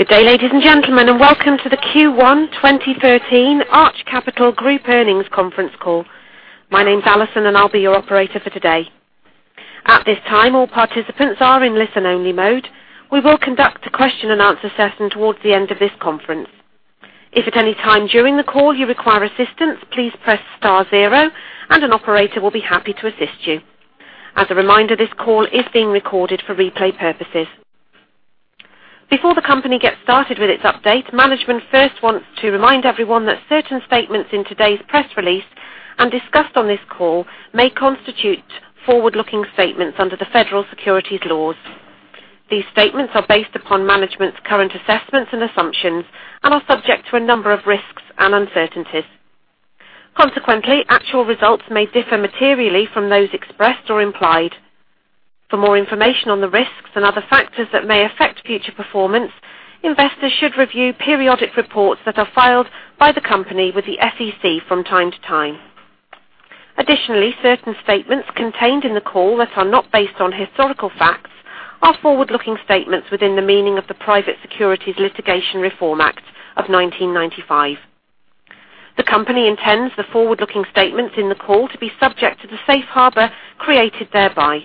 Good day, ladies and gentlemen, welcome to the Q1 2013 Arch Capital Group earnings conference call. My name's Alison, and I'll be your operator for today. At this time, all participants are in listen-only mode. We will conduct a question-and-answer session towards the end of this conference. If at any time during the call you require assistance, please press star zero and an operator will be happy to assist you. As a reminder, this call is being recorded for replay purposes. Before the company gets started with its update, management first wants to remind everyone that certain statements in today's press release and discussed on this call may constitute forward-looking statements under the federal securities laws. These statements are based upon management's current assessments and assumptions and are subject to a number of risks and uncertainties. Actual results may differ materially from those expressed or implied. For more information on the risks and other factors that may affect future performance, investors should review periodic reports that are filed by the company with the SEC from time to time. Certain statements contained in the call that are not based on historical facts are forward-looking statements within the meaning of the Private Securities Litigation Reform Act of 1995. The company intends the forward-looking statements in the call to be subject to the safe harbor created thereby.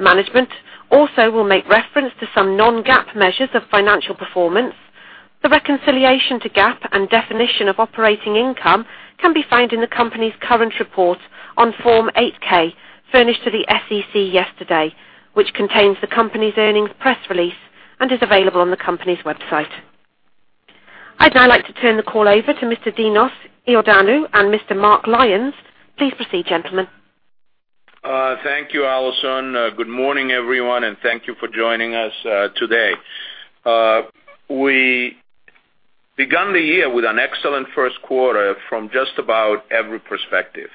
Management also will make reference to some non-GAAP measures of financial performance. The reconciliation to GAAP and definition of operating income can be found in the company's current report on Form 8-K furnished to the SEC yesterday, which contains the company's earnings press release and is available on the company's website. I'd now like to turn the call over to Mr. Dinos Iordanou and Mr. Mark Lyons. Please proceed, gentlemen. Thank you, Alison. Good morning, everyone, thank you for joining us today. We begun the year with an excellent first quarter from just about every perspective.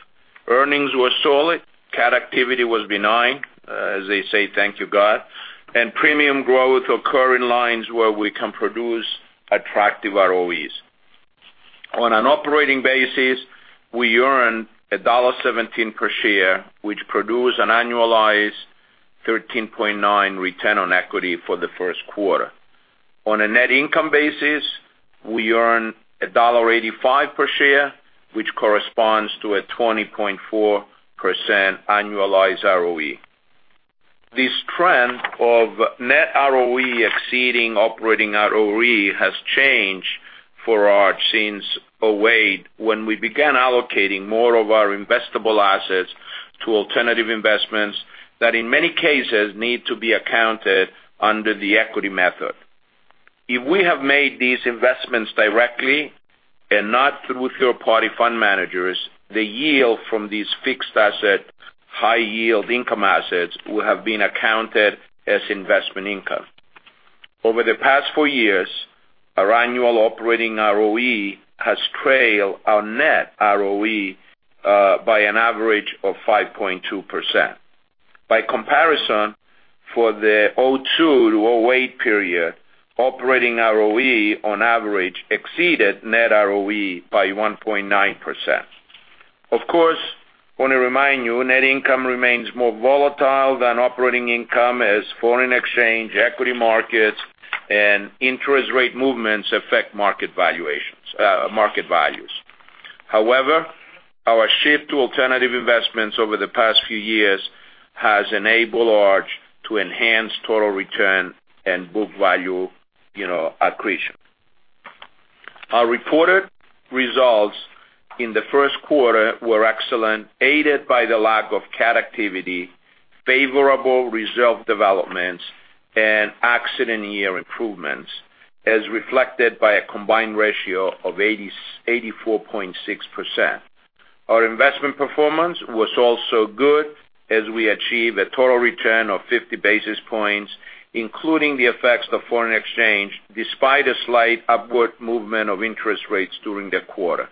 Earnings were solid, cat activity was benign, as they say, thank you, God, premium growth occur in lines where we can produce attractive ROEs. On an operating basis, we earned $1.17 per share, which produced an annualized 13.9% return on equity for the first quarter. On a net income basis, we earned $1.85 per share, which corresponds to a 20.4% annualized ROE. This trend of net ROE exceeding operating ROE has changed for Arch since 2008, when we began allocating more of our investable assets to alternative investments that in many cases need to be accounted under the equity method. If we have made these investments directly and not through third-party fund managers, the yield from these fixed asset, high-yield income assets would have been accounted as investment income. Over the past four years, our annual operating ROE has trailed our net ROE by an average of 5.2%. By comparison, for the 2002 to 2008 period, operating ROE on average exceeded net ROE by 1.9%. We want to remind you, net income remains more volatile than operating income as foreign exchange, equity markets, and interest rate movements affect market values. Our shift to alternative investments over the past few years has enabled Arch to enhance total return and book value accretion. Our reported results in the first quarter were excellent, aided by the lack of cat activity, favorable reserve developments, and accident year improvements, as reflected by a combined ratio of 84.6%. Our investment performance was also good as we achieved a total return of 50 basis points, including the effects of foreign exchange, despite a slight upward movement of interest rates during the quarter.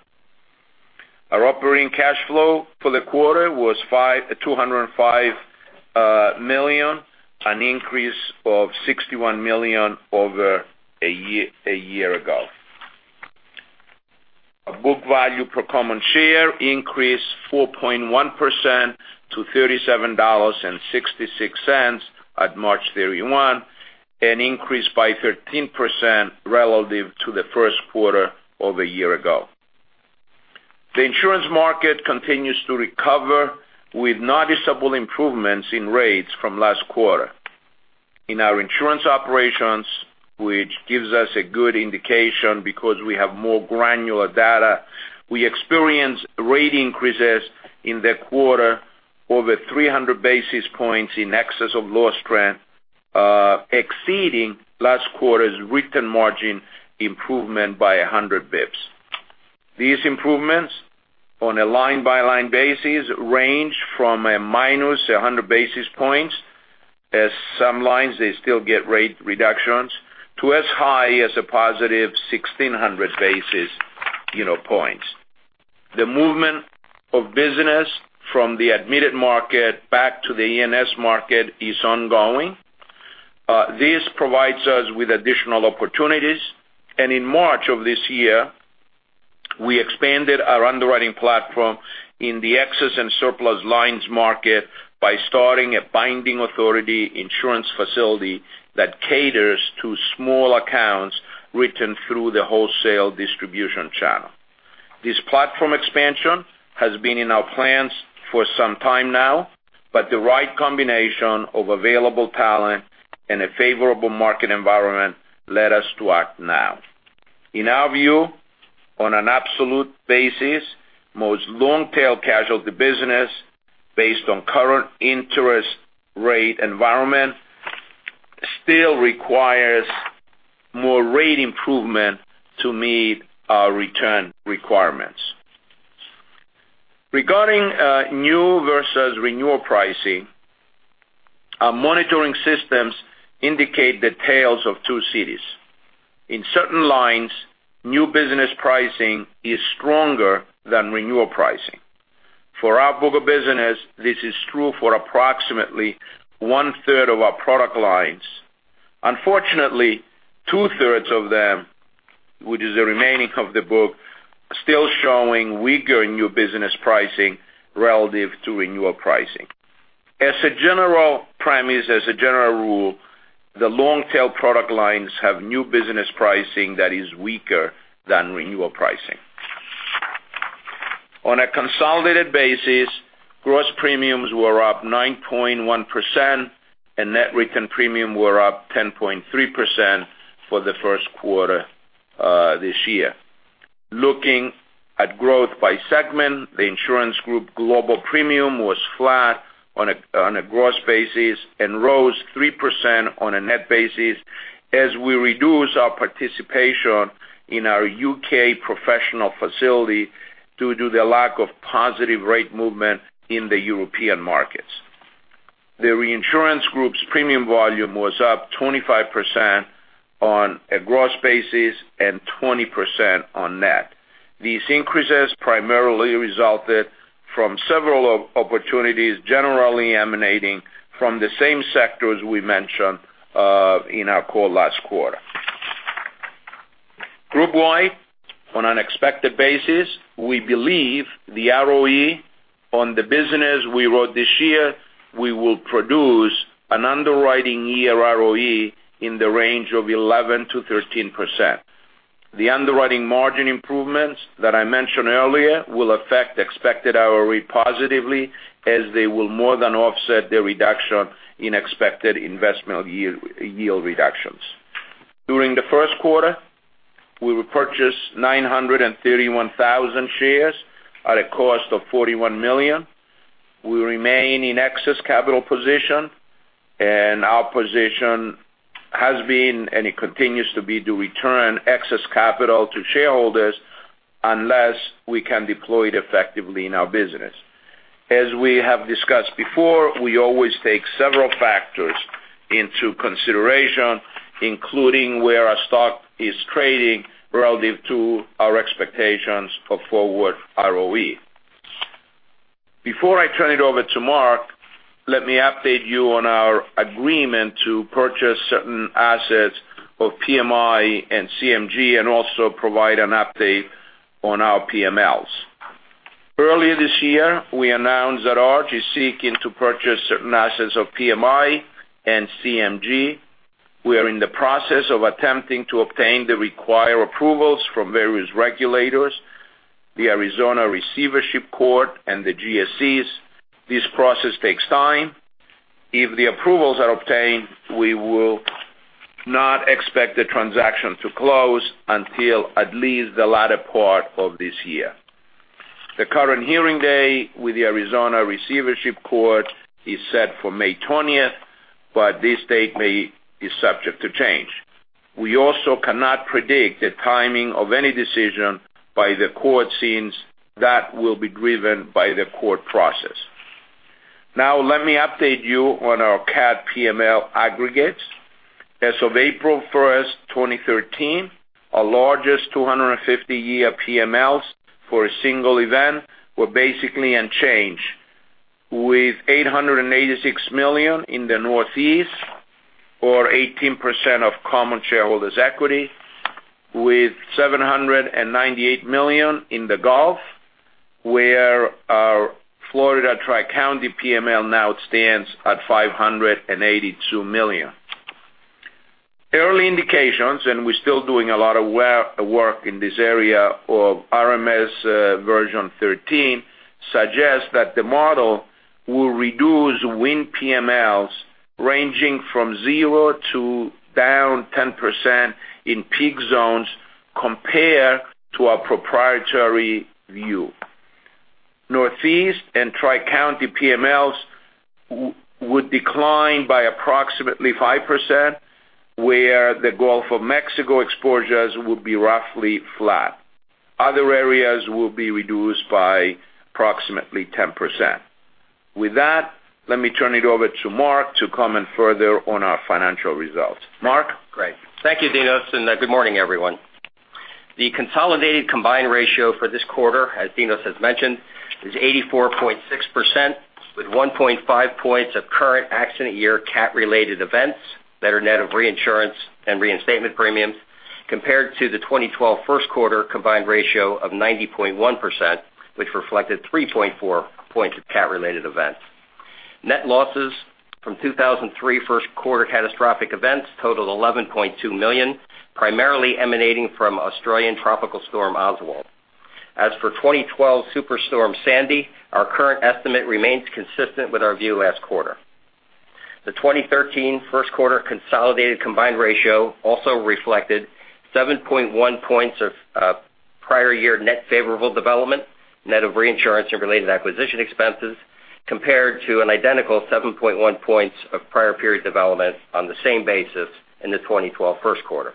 Our operating cash flow for the quarter was $205 million, an increase of $61 million over a year ago. Our book value per common share increased 4.1% to $37.66 at March 31, an increase by 13% relative to the first quarter of a year ago. The insurance market continues to recover with noticeable improvements in rates from last quarter. In our insurance operations, which gives us a good indication because we have more granular data, we experienced rate increases in the quarter over 300 basis points in excess of loss trend, exceeding last quarter's written margin improvement by 100 basis points. These improvements on a line-by-line basis range from a minus 100 basis points, as some lines they still get rate reductions, to as high as a positive 1,600 basis points. The movement of business from the admitted market back to the E&S market is ongoing. This provides us with additional opportunities. In March of this year. We expanded our underwriting platform in the excess and surplus lines market by starting a binding authority insurance facility that caters to small accounts written through the wholesale distribution channel. This platform expansion has been in our plans for some time now, but the right combination of available talent and a favorable market environment led us to act now. In our view, on an absolute basis, most long-tail casualty business based on current interest rate environment still requires more rate improvement to meet our return requirements. Regarding new versus renewal pricing, our monitoring systems indicate the tales of two cities. In certain lines, new business pricing is stronger than renewal pricing. For our book of business, this is true for approximately one-third of our product lines. Unfortunately, two-thirds of them, which is the remaining of the book, are still showing weaker new business pricing relative to renewal pricing. As a general premise, as a general rule, the long-tail product lines have new business pricing that is weaker than renewal pricing. On a consolidated basis, gross premiums were up 9.1%, net written premium were up 10.3% for the first quarter this year. Looking at growth by segment, the insurance group global premium was flat on a gross basis and rose 3% on a net basis as we reduce our participation in our U.K. professional facility due to the lack of positive rate movement in the European markets. The reinsurance group's premium volume was up 25% on a gross basis and 20% on net. These increases primarily resulted from several opportunities, generally emanating from the same sectors we mentioned in our call last quarter. Group wide, on an expected basis, we believe the ROE on the business we wrote this year, we will produce an underwriting year ROE in the range of 11%-13%. The underwriting margin improvements that I mentioned earlier will affect expected ROE positively as they will more than offset the reduction in expected investment yield reductions. During the first quarter, we repurchased 931,000 shares at a cost of $41 million. We remain in excess capital position, and our position has been, and it continues to be, to return excess capital to shareholders unless we can deploy it effectively in our business. As we have discussed before, we always take several factors into consideration, including where our stock is trading relative to our expectations for forward ROE. Before I turn it over to Mark, let me update you on our agreement to purchase certain assets of PMI and CMG and also provide an update on our PMLs. Earlier this year, we announced that Arch is seeking to purchase certain assets of PMI and CMG. We are in the process of attempting to obtain the required approvals from various regulators, the Arizona Receivership Court, and the GSEs. This process takes time. If the approvals are obtained, we will not expect the transaction to close until at least the latter part of this year. The current hearing day with the Arizona Receivership Court is set for May 20th, but this date is subject to change. We also cannot predict the timing of any decision by the court, since that will be driven by the court process. Now let me update you on our cat PML aggregates. As of April 1st, 2013, our largest 250-year PMLs for a single event were basically unchanged, with $886 million in the Northeast or 18% of common shareholders' equity, with $798 million in the Gulf, where our Florida Tri-County PML now stands at $582 million. Early indications, and we're still doing a lot of work in this area of RMS version 13, suggest that the model will reduce wind PMLs ranging from zero to down 10% in peak zones compared to our proprietary view. Northeast and Tri-County PMLs would decline by approximately 5%, where the Gulf of Mexico exposures will be roughly flat. Other areas will be reduced by approximately 10%. With that, let me turn it over to Mark to comment further on our financial results. Mark? Great. Thank you, Dinos, and good morning, everyone. The consolidated combined ratio for this quarter, as Dinos has mentioned, is 84.6%. With 1.5 points of current accident year CAT-related events that are net of reinsurance and reinstatement premiums compared to the 2012 first quarter combined ratio of 90.1%, which reflected 3.4 points of CAT-related events. Net losses from 2013 first quarter catastrophic events totaled $11.2 million, primarily emanating from Australian Tropical Cyclone Oswald. As for 2012 Superstorm Sandy, our current estimate remains consistent with our view last quarter. The 2013 first quarter consolidated combined ratio also reflected 7.1 points of prior year net favorable development, net of reinsurance and related acquisition expenses, compared to an identical 7.1 points of prior period development on the same basis in the 2012 first quarter.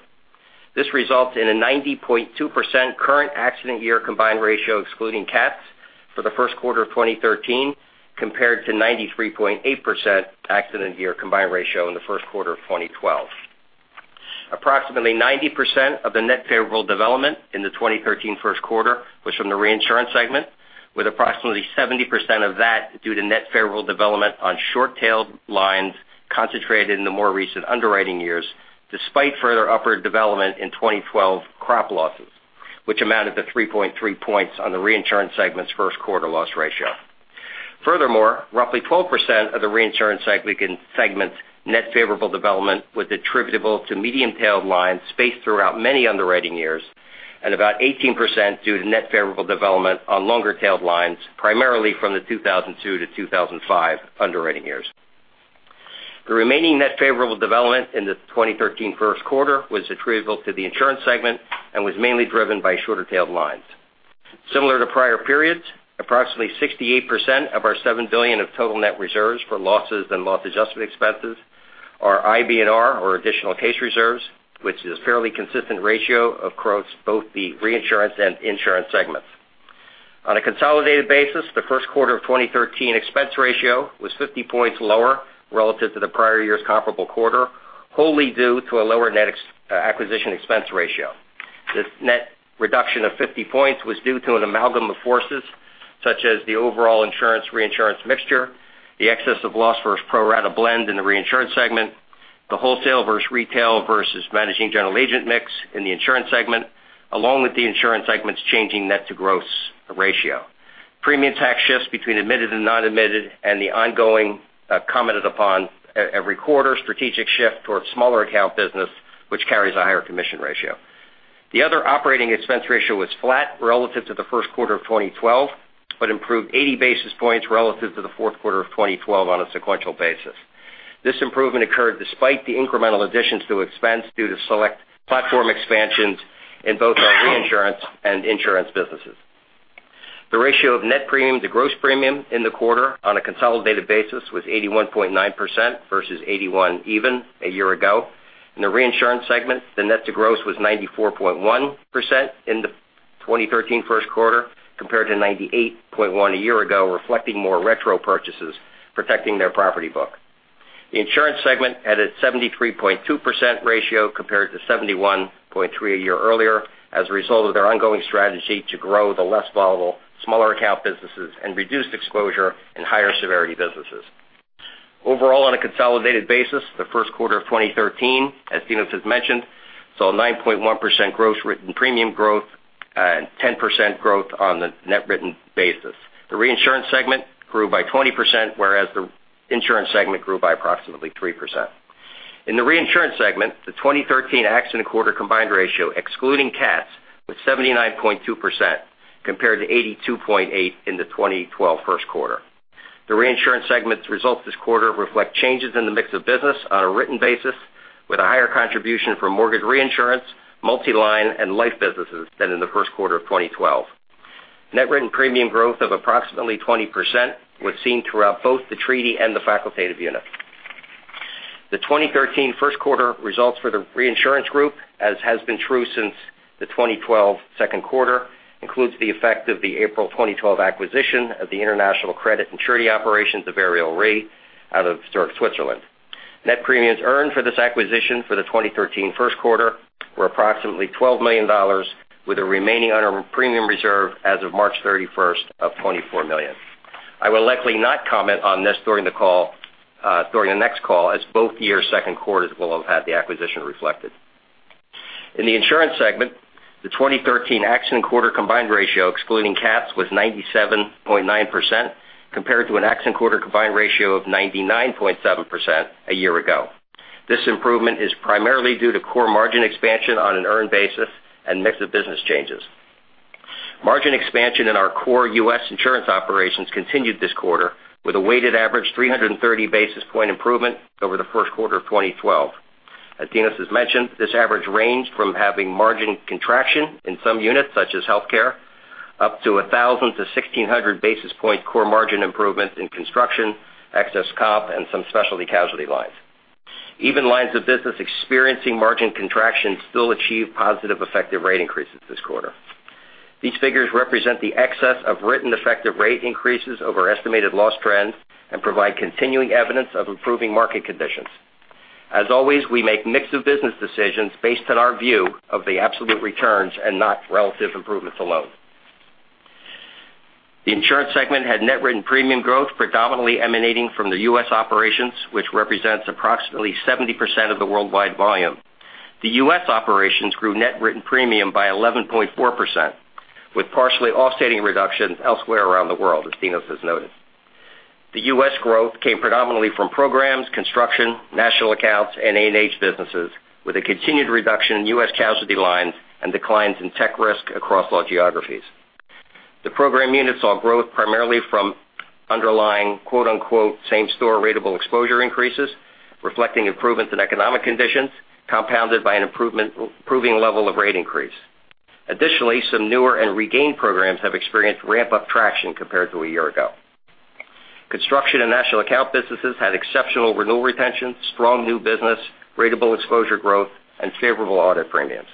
This results in a 90.2% current accident year combined ratio excluding cats for the first quarter of 2013 compared to 93.8% accident year combined ratio in the first quarter of 2012. Approximately 90% of the net favorable development in the 2013 first quarter was from the reinsurance segment, with approximately 70% of that due to net favorable development on short-tailed lines concentrated in the more recent underwriting years, despite further upward development in 2012 crop losses, which amounted to 3.3 points on the reinsurance segment's first quarter loss ratio. Furthermore, roughly 12% of the reinsurance segment's net favorable development was attributable to medium-tailed lines spaced throughout many underwriting years, and about 18% due to net favorable development on longer-tailed lines, primarily from the 2002-2005 underwriting years. The remaining net favorable development in the 2013 first quarter was attributable to the insurance segment and was mainly driven by shorter-tailed lines. Similar to prior periods, approximately 68% of our $7 billion of total net reserves for losses and loss adjustment expenses are IBNR, or additional case reserves, which is a fairly consistent ratio across both the reinsurance and insurance segments. On a consolidated basis, the first quarter of 2013 expense ratio was 50 points lower relative to the prior year's comparable quarter, wholly due to a lower net acquisition expense ratio. This net reduction of 50 points was due to an amalgam of forces, such as the overall insurance/reinsurance mixture, the excess of loss versus pro-rata blend in the reinsurance segment, the wholesale versus retail versus managing general agent mix in the insurance segment, along with the insurance segment's changing net to gross ratio. Premium tax shifts between admitted and non-admitted and the ongoing, commented upon every quarter, strategic shift towards smaller account business, which carries a higher commission ratio. The other operating expense ratio was flat relative to the first quarter of 2012, but improved 80 basis points relative to the fourth quarter of 2012 on a sequential basis. This improvement occurred despite the incremental additions to expense due to select platform expansions in both our reinsurance and insurance businesses. The ratio of net premium to gross premium in the quarter on a consolidated basis was 81.9% versus 81% even a year ago. In the reinsurance segment, the net to gross was 94.1% in the 2013 first quarter compared to 98.1% a year ago, reflecting more retro purchases protecting their property book. The insurance segment had a 73.2% ratio compared to 71.3% a year earlier as a result of their ongoing strategy to grow the less volatile smaller account businesses and reduce exposure in higher severity businesses. Overall, on a consolidated basis, the first quarter of 2013, as Dinos has mentioned, saw a 9.1% gross written premium growth and 10% growth on the net written basis. The reinsurance segment grew by 20%, whereas the insurance segment grew by approximately 3%. In the reinsurance segment, the 2013 accident quarter combined ratio, excluding cats, was 79.2%, compared to 82.8% in the 2012 first quarter. The reinsurance segment's results this quarter reflect changes in the mix of business on a written basis with a higher contribution from mortgage reinsurance, multi-line, and life businesses than in the first quarter of 2012. Net written premium growth of approximately 20% was seen throughout both the treaty and the facultative unit. The 2013 first quarter results for the reinsurance group, as has been true since the 2012 second quarter, includes the effect of the April 2012 acquisition of the International Credit Insurance operations of Ariel Re out of Zurich, Switzerland. Net premiums earned for this acquisition for the 2013 first quarter were approximately $12 million, with a remaining unearned premium reserve as of March 31st of $24 million. I will likely not comment on this during the next call as both years' second quarters will have had the acquisition reflected. In the insurance segment, the 2013 accident quarter combined ratio excluding cats was 97.9%, compared to an accident quarter combined ratio of 99.7% a year ago. This improvement is primarily due to core margin expansion on an earned basis and mix of business changes. Margin expansion in our core U.S. insurance operations continued this quarter with a weighted average 330 basis point improvement over the first quarter of 2012. As Dinos has mentioned, this average ranged from having margin contraction in some units, such as healthcare, up to 1,000-1,600 basis point core margin improvements in construction, excess COP, and some specialty casualty lines. Even lines of business experiencing margin contraction still achieved positive effective rate increases this quarter. These figures represent the excess of written effective rate increases over estimated loss trends and provide continuing evidence of improving market conditions. As always, we make mix of business decisions based on our view of the absolute returns and not relative improvements alone. The insurance segment had net written premium growth predominantly emanating from the U.S. operations, which represents approximately 70% of the worldwide volume. The U.S. operations grew net written premium by 11.4%, with partially offsetting reductions elsewhere around the world, as Dinos has noted. The U.S. growth came predominantly from programs, construction, national accounts, and A&H businesses, with a continued reduction in U.S. casualty lines and declines in tech risk across all geographies. The program units saw growth primarily from underlying "same store ratable exposure increases," reflecting improvements in economic conditions, compounded by an improving level of rate increase. Additionally, some newer and regained programs have experienced ramp-up traction compared to a year ago. Construction and national account businesses had exceptional renewal retention, strong new business, ratable exposure growth, and favorable audit premiums.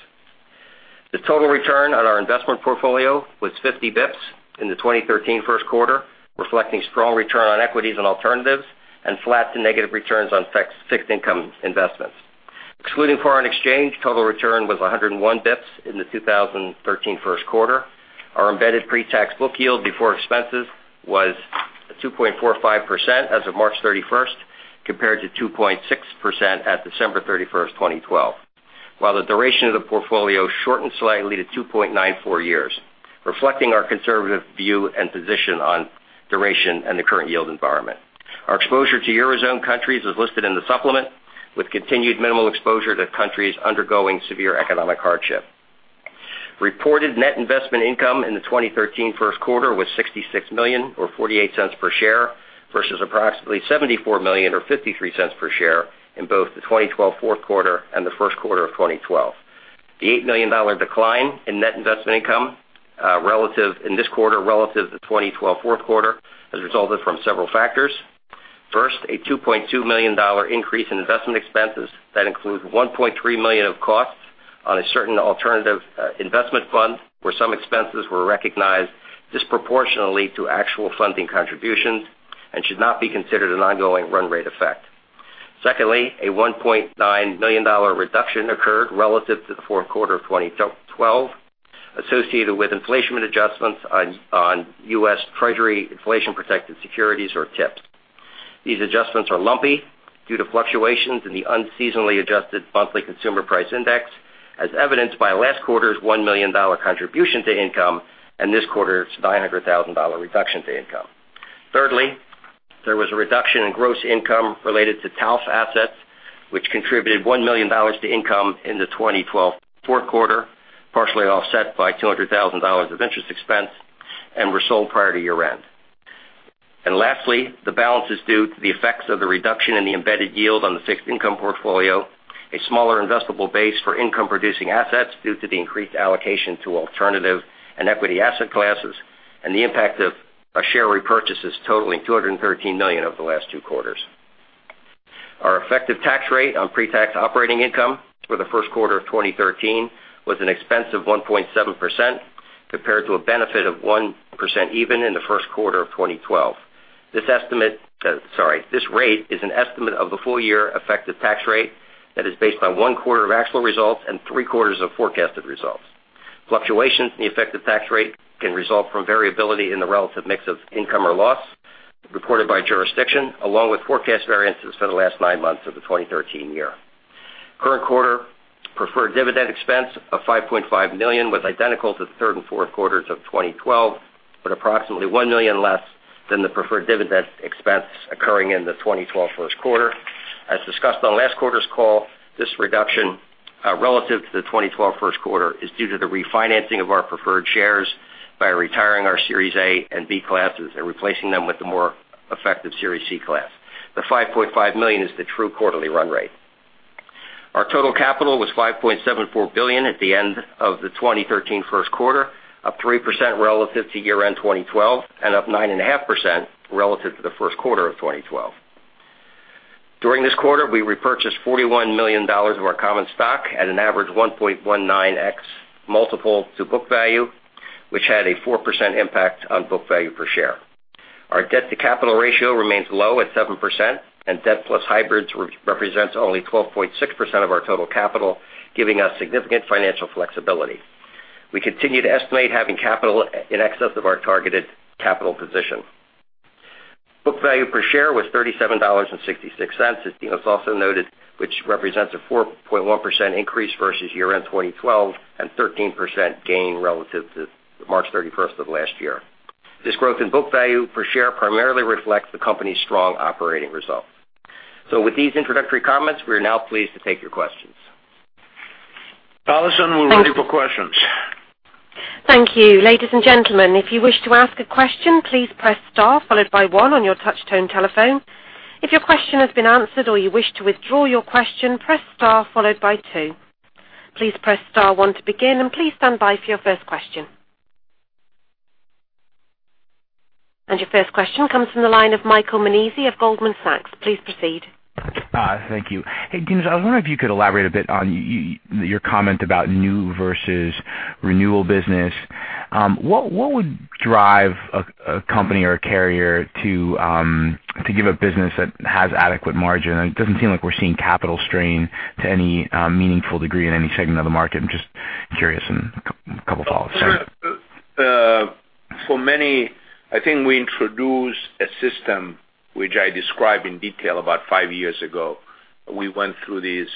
The total return on our investment portfolio was 50 basis points in the 2013 first quarter, reflecting strong return on equities and alternatives and flat to negative returns on fixed income investments. Excluding foreign exchange, total return was 101 basis points in the 2013 first quarter. Our embedded pretax book yield before expenses was 2.45% as of March 31st, compared to 2.6% at December 31st, 2012. While the duration of the portfolio shortened slightly to 2.94 years, reflecting our conservative view and position on duration and the current yield environment. Our exposure to Eurozone countries is listed in the supplement, with continued minimal exposure to countries undergoing severe economic hardship. Reported net investment income in the 2013 first quarter was $66 million, or $0.48 per share, versus approximately $74 million or $0.53 per share in both the 2012 fourth quarter and the first quarter of 2012. The $8 million decline in net investment income in this quarter relative to 2012 fourth quarter has resulted from several factors. First, a $2.2 million increase in investment expenses that includes $1.3 million of costs on a certain alternative investment fund, where some expenses were recognized disproportionately to actual funding contributions and should not be considered an ongoing run rate effect. Secondly, a $1.9 million reduction occurred relative to the fourth quarter of 2012 associated with inflation adjustments on U.S. Treasury inflation-protected securities or TIPS. These adjustments are lumpy due to fluctuations in the unseasonally adjusted monthly consumer price index, as evidenced by last quarter's $1 million contribution to income and this quarter's $900,000 reduction to income. Thirdly, there was a reduction in gross income related to TALF assets, which contributed $1 million to income in the 2012 fourth quarter, partially offset by $200,000 of interest expense, and were sold prior to year-end. Lastly, the balance is due to the effects of the reduction in the embedded yield on the fixed income portfolio, a smaller investable base for income producing assets due to the increased allocation to alternative and equity asset classes, and the impact of our share repurchases totaling $213 million over the last two quarters. Our effective tax rate on pretax operating income for the first quarter of 2013 was an expense of 1.7%, compared to a benefit of 1% even in the first quarter of 2012. This rate is an estimate of the full year effective tax rate that is based on one quarter of actual results and three quarters of forecasted results. Fluctuations in the effective tax rate can result from variability in the relative mix of income or loss reported by jurisdiction, along with forecast variances for the last nine months of the 2013 year. Current quarter preferred dividend expense of $5.5 million was identical to the third and fourth quarters of 2012, but approximately $1 million less than the preferred dividend expense occurring in the 2012 first quarter. As discussed on last quarter's call, this reduction relative to the 2012 first quarter is due to the refinancing of our preferred shares by retiring our Series A and B classes and replacing them with the more effective Series C class. The $5.5 million is the true quarterly run rate. Our total capital was $5.74 billion at the end of the 2013 first quarter, up 3% relative to year-end 2012 and up 9.5% relative to the first quarter of 2012. During this quarter, we repurchased $41 million of our common stock at an average 1.19x multiple to book value, which had a 4% impact on book value per share. Our debt to capital ratio remains low at 7%, and debt plus hybrids represents only 12.6% of our total capital, giving us significant financial flexibility. We continue to estimate having capital in excess of our targeted capital position. Book value per share was $37.66, as Dinos also noted, which represents a 4.1% increase versus year-end 2012 and 13% gain relative to March 31st of last year. This growth in book value per share primarily reflects the company's strong operating results. With these introductory comments, we are now pleased to take your questions. Alison, we're ready for questions. Thank you. Ladies and gentlemen, if you wish to ask a question, please press star followed by one on your touch tone telephone. If your question has been answered or you wish to withdraw your question, press star followed by two. Please press star one to begin, please stand by for your first question. Your first question comes from the line of Michael Nannizzi of Goldman Sachs. Please proceed. Thank you. Hey, Dinos, I was wondering if you could elaborate a bit on your comment about new versus renewal business. What would drive a company or a carrier to give up business that has adequate margin? It doesn't seem like we're seeing capital strain to any meaningful degree in any segment of the market. I'm just curious, a couple follows. For many, I think we introduced a system which I described in detail about five years ago. We went through this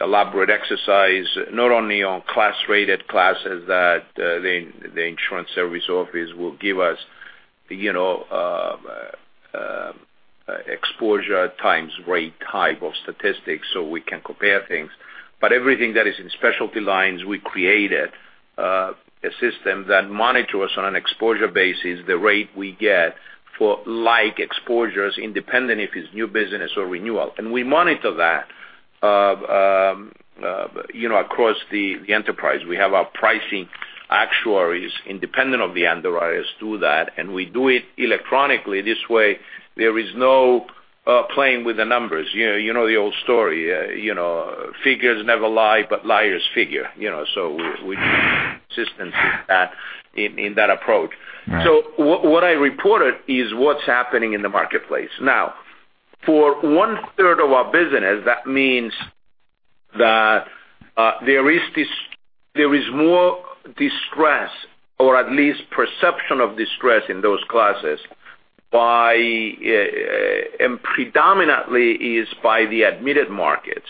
elaborate exercise, not only on class rated classes that the Insurance Services Office will give us exposure times rate, type of statistics so we can compare things. Everything that is in specialty lines, we created a system that monitors on an exposure basis the rate we get for like exposures, independent if it's new business or renewal. We monitor that across the enterprise. We have our pricing actuaries, independent of the underwriters, do that, and we do it electronically. This way, there is no playing with the numbers. You know the old story. Figures never lie, but liars figure. We do consistency in that approach. Right. What I reported is what's happening in the marketplace. Now, for one-third of our business, that means that there is more distress, or at least perception of distress in those classes, and predominantly is by the admitted markets.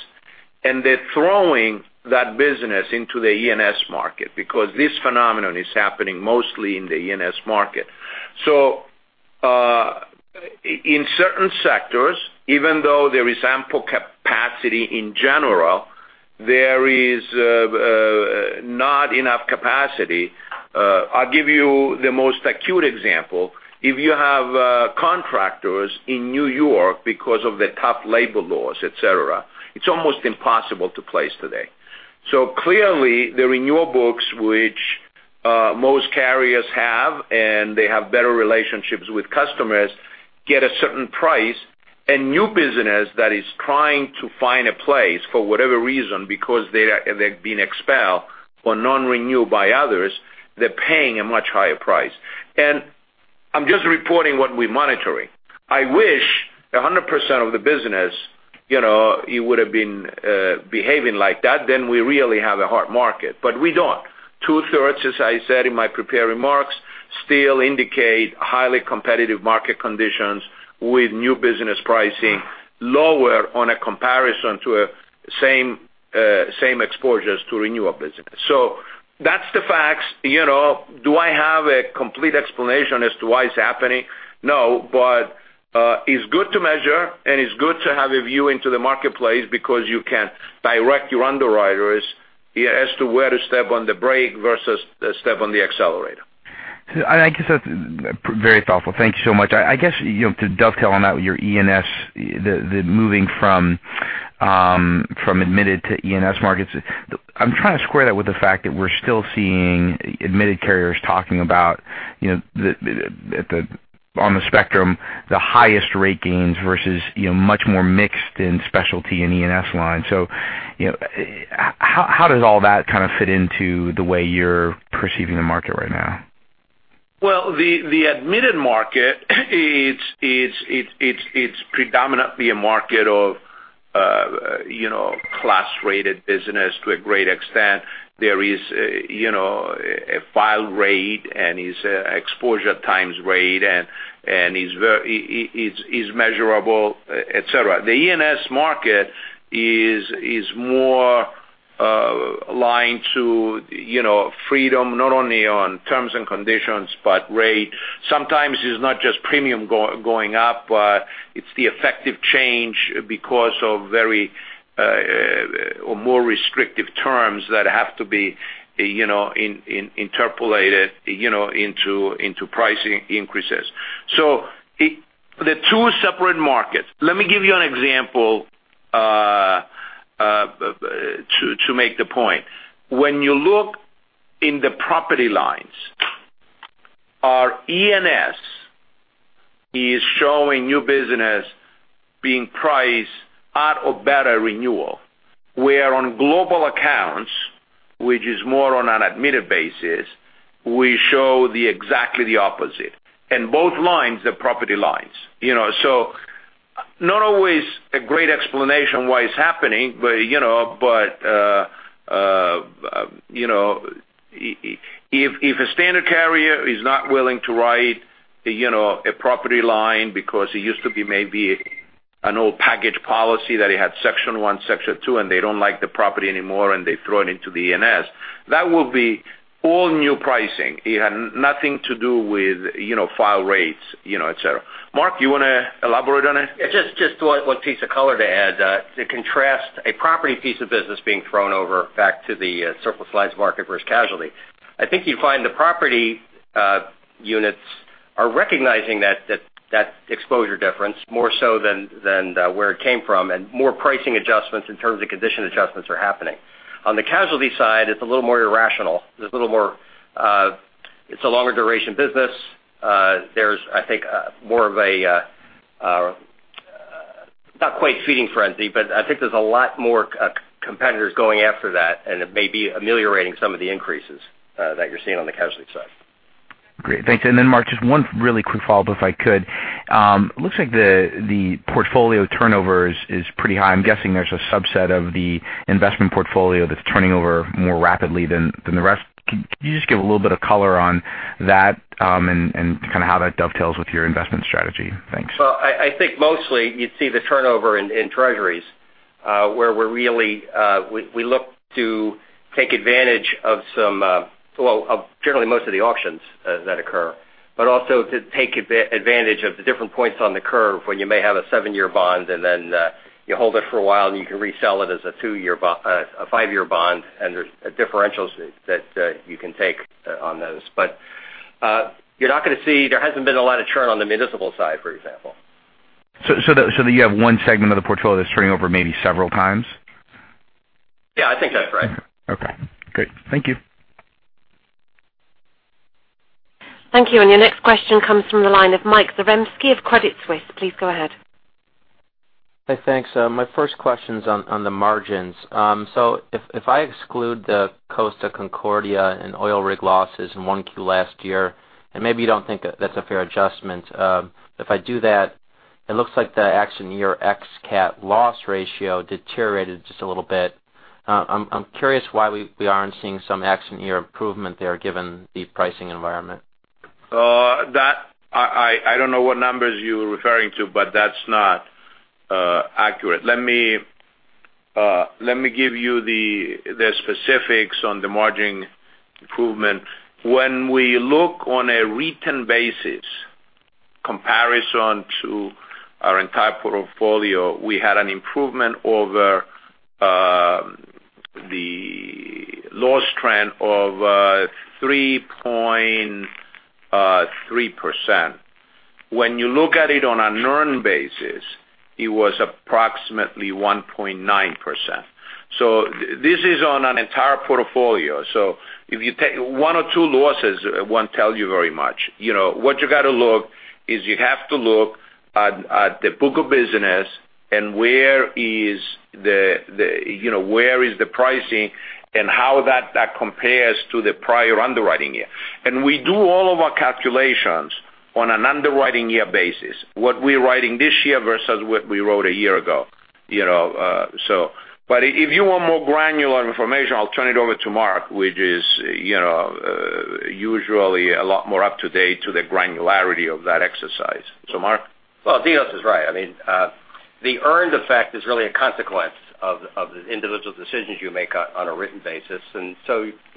They're throwing that business into the E&S market because this phenomenon is happening mostly in the E&S market. In certain sectors, even though there is ample capacity in general, there is not enough capacity. I'll give you the most acute example. If you have contractors in New York because of the tough labor laws, et cetera, it's almost impossible to place today. Clearly, the renewal books, which most carriers have, and they have better relationships with customers, get a certain price. New business that is trying to find a place for whatever reason, because they've been expelled or non-renewed by others, they're paying a much higher price. I'm just reporting what we're monitoring. I wish 100% of the business it would've been behaving like that, then we really have a hard market. We don't. Two-thirds, as I said in my prepared remarks, still indicate highly competitive market conditions with new business pricing lower on a comparison to same exposures to renewal business. That's the facts. Do I have a complete explanation as to why it's happening? No, but it's good to measure and it's good to have a view into the marketplace because you can direct your underwriters as to where to step on the brake versus step on the accelerator. Very thoughtful. Thank you so much. To dovetail on that with your E&S, the moving from admitted to E&S markets, I'm trying to square that with the fact that we're still seeing admitted carriers talking about on the spectrum, the highest rate gains versus much more mixed in specialty in E&S lines. How does all that kind of fit into the way you're perceiving the market right now? Well, the admitted market, it's predominantly a market of class-rated business to a great extent. There is a file rate and is exposure times rate, and it's measurable, et cetera. The E&S market is more aligned to freedom, not only on terms and conditions, but rate. Sometimes it's not just premium going up, but it's the effective change because of very or more restrictive terms that have to be interpolated into pricing increases. They're two separate markets. Let me give you an example to make the point. When you look in the property lines, our E&S is showing new business being priced at a better renewal, where on global accounts, which is more on an admitted basis, we show exactly the opposite. Both lines are property lines. Not always a great explanation why it's happening, but if a standard carrier is not willing to write a property line because it used to be maybe an old package policy that it had section 1, section 2, and they don't like the property anymore, and they throw it into the E&S, that will be all new pricing. It had nothing to do with file rates, et cetera. Mark, you want to elaborate on it? Yeah, just one piece of color to add. To contrast a property piece of business being thrown over back to the surplus lines market versus casualty. I think you find the property units are recognizing that exposure difference more so than where it came from, and more pricing adjustments in terms of condition adjustments are happening. On the casualty side, it's a little more irrational. It's a longer duration business. There's, I think, not quite feeding frenzy, but I think there's a lot more competitors going after that, and it may be ameliorating some of the increases that you're seeing on the casualty side. Great. Thanks. Mark, just one really quick follow-up if I could. Looks like the portfolio turnover is pretty high. I'm guessing there's a subset of the investment portfolio that's turning over more rapidly than the rest. Can you just give a little bit of color on that, and how that dovetails with your investment strategy? Thanks. I think mostly you'd see the turnover in treasuries, where we look to take advantage of generally most of the auctions that occur, also to take advantage of the different points on the curve when you may have a seven-year bond and then you hold it for a while, and you can resell it as a five-year bond, and there's differentials that you can take on those. You're not going to see, there hasn't been a lot of churn on the municipal side, for example. You have one segment of the portfolio that's turning over maybe several times? Yeah, I think that's right. Okay, great. Thank you. Thank you. Your next question comes from the line of Mike Zaremski of Credit Suisse. Please go ahead. Hey, thanks. My first question's on the margins. If I exclude the Costa Concordia and oil rig losses in 1Q last year, maybe you don't think that that's a fair adjustment. If I do that, it looks like the accident year x CAT loss ratio deteriorated just a little bit. I'm curious why we aren't seeing some accident year improvement there given the pricing environment. I don't know what numbers you're referring to, that's not accurate. Let me give you the specifics on the margin improvement. When we look on a written basis comparison to our entire portfolio, we had an improvement over the loss trend of 3.3%. When you look at it on an earned basis, it was approximately 1.9%. This is on an entire portfolio. If you take one or two losses, it won't tell you very much. What you got to look is you have to look at the book of business and where is the pricing and how that compares to the prior underwriting year. We do all of our calculations on an underwriting year basis, what we're writing this year versus what we wrote a year ago. If you want more granular information, I'll turn it over to Mark, which is usually a lot more up to date to the granularity of that exercise. Mark? Well, Dinos is right. The earned effect is really a consequence of the individual decisions you make on a written basis. To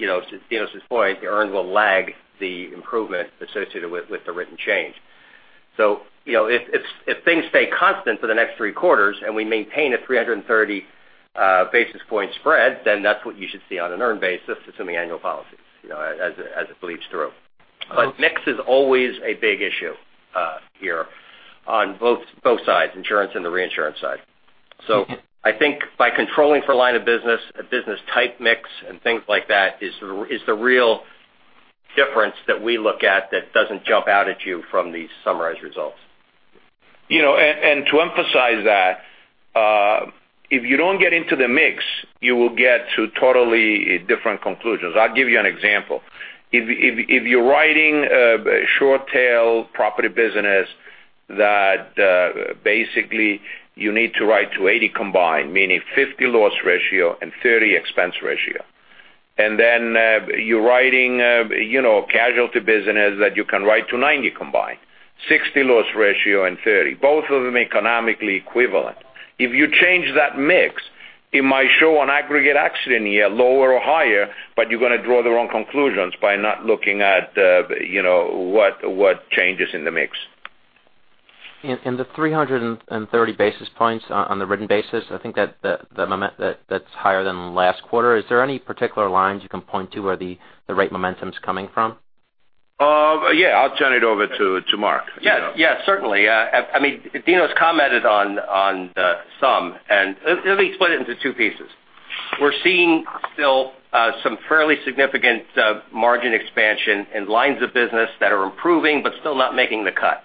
Dinos' point, the earned will lag the improvement associated with the written change. If things stay constant for the next three quarters and we maintain a 330 basis point spread, then that's what you should see on an earned basis, assuming annual policies as it bleeds through. Mix is always a big issue here on both sides, insurance and the reinsurance side. I think by controlling for line of business, a business type mix and things like that is the real difference that we look at that doesn't jump out at you from these summarized results. To emphasize that, if you don't get into the mix, you will get to totally different conclusions. I'll give you an example. If you're writing a short tail property business that basically you need to write to 80 combined, meaning 50 loss ratio and 30 expense ratio. You're writing casualty business that you can write to 90 combined, 60 loss ratio and 30, both of them economically equivalent. If you change that mix, it might show an aggregate accident year lower or higher, but you're going to draw the wrong conclusions by not looking at what changes in the mix. In the 330 basis points on the written basis, I think that's higher than last quarter. Is there any particular lines you can point to where the rate momentum's coming from? Yeah. I'll turn it over to Mark. Yeah. Certainly. Dinos commented on the sum. Let me split it into two pieces. We're seeing still some fairly significant margin expansion in lines of business that are improving but still not making the cut.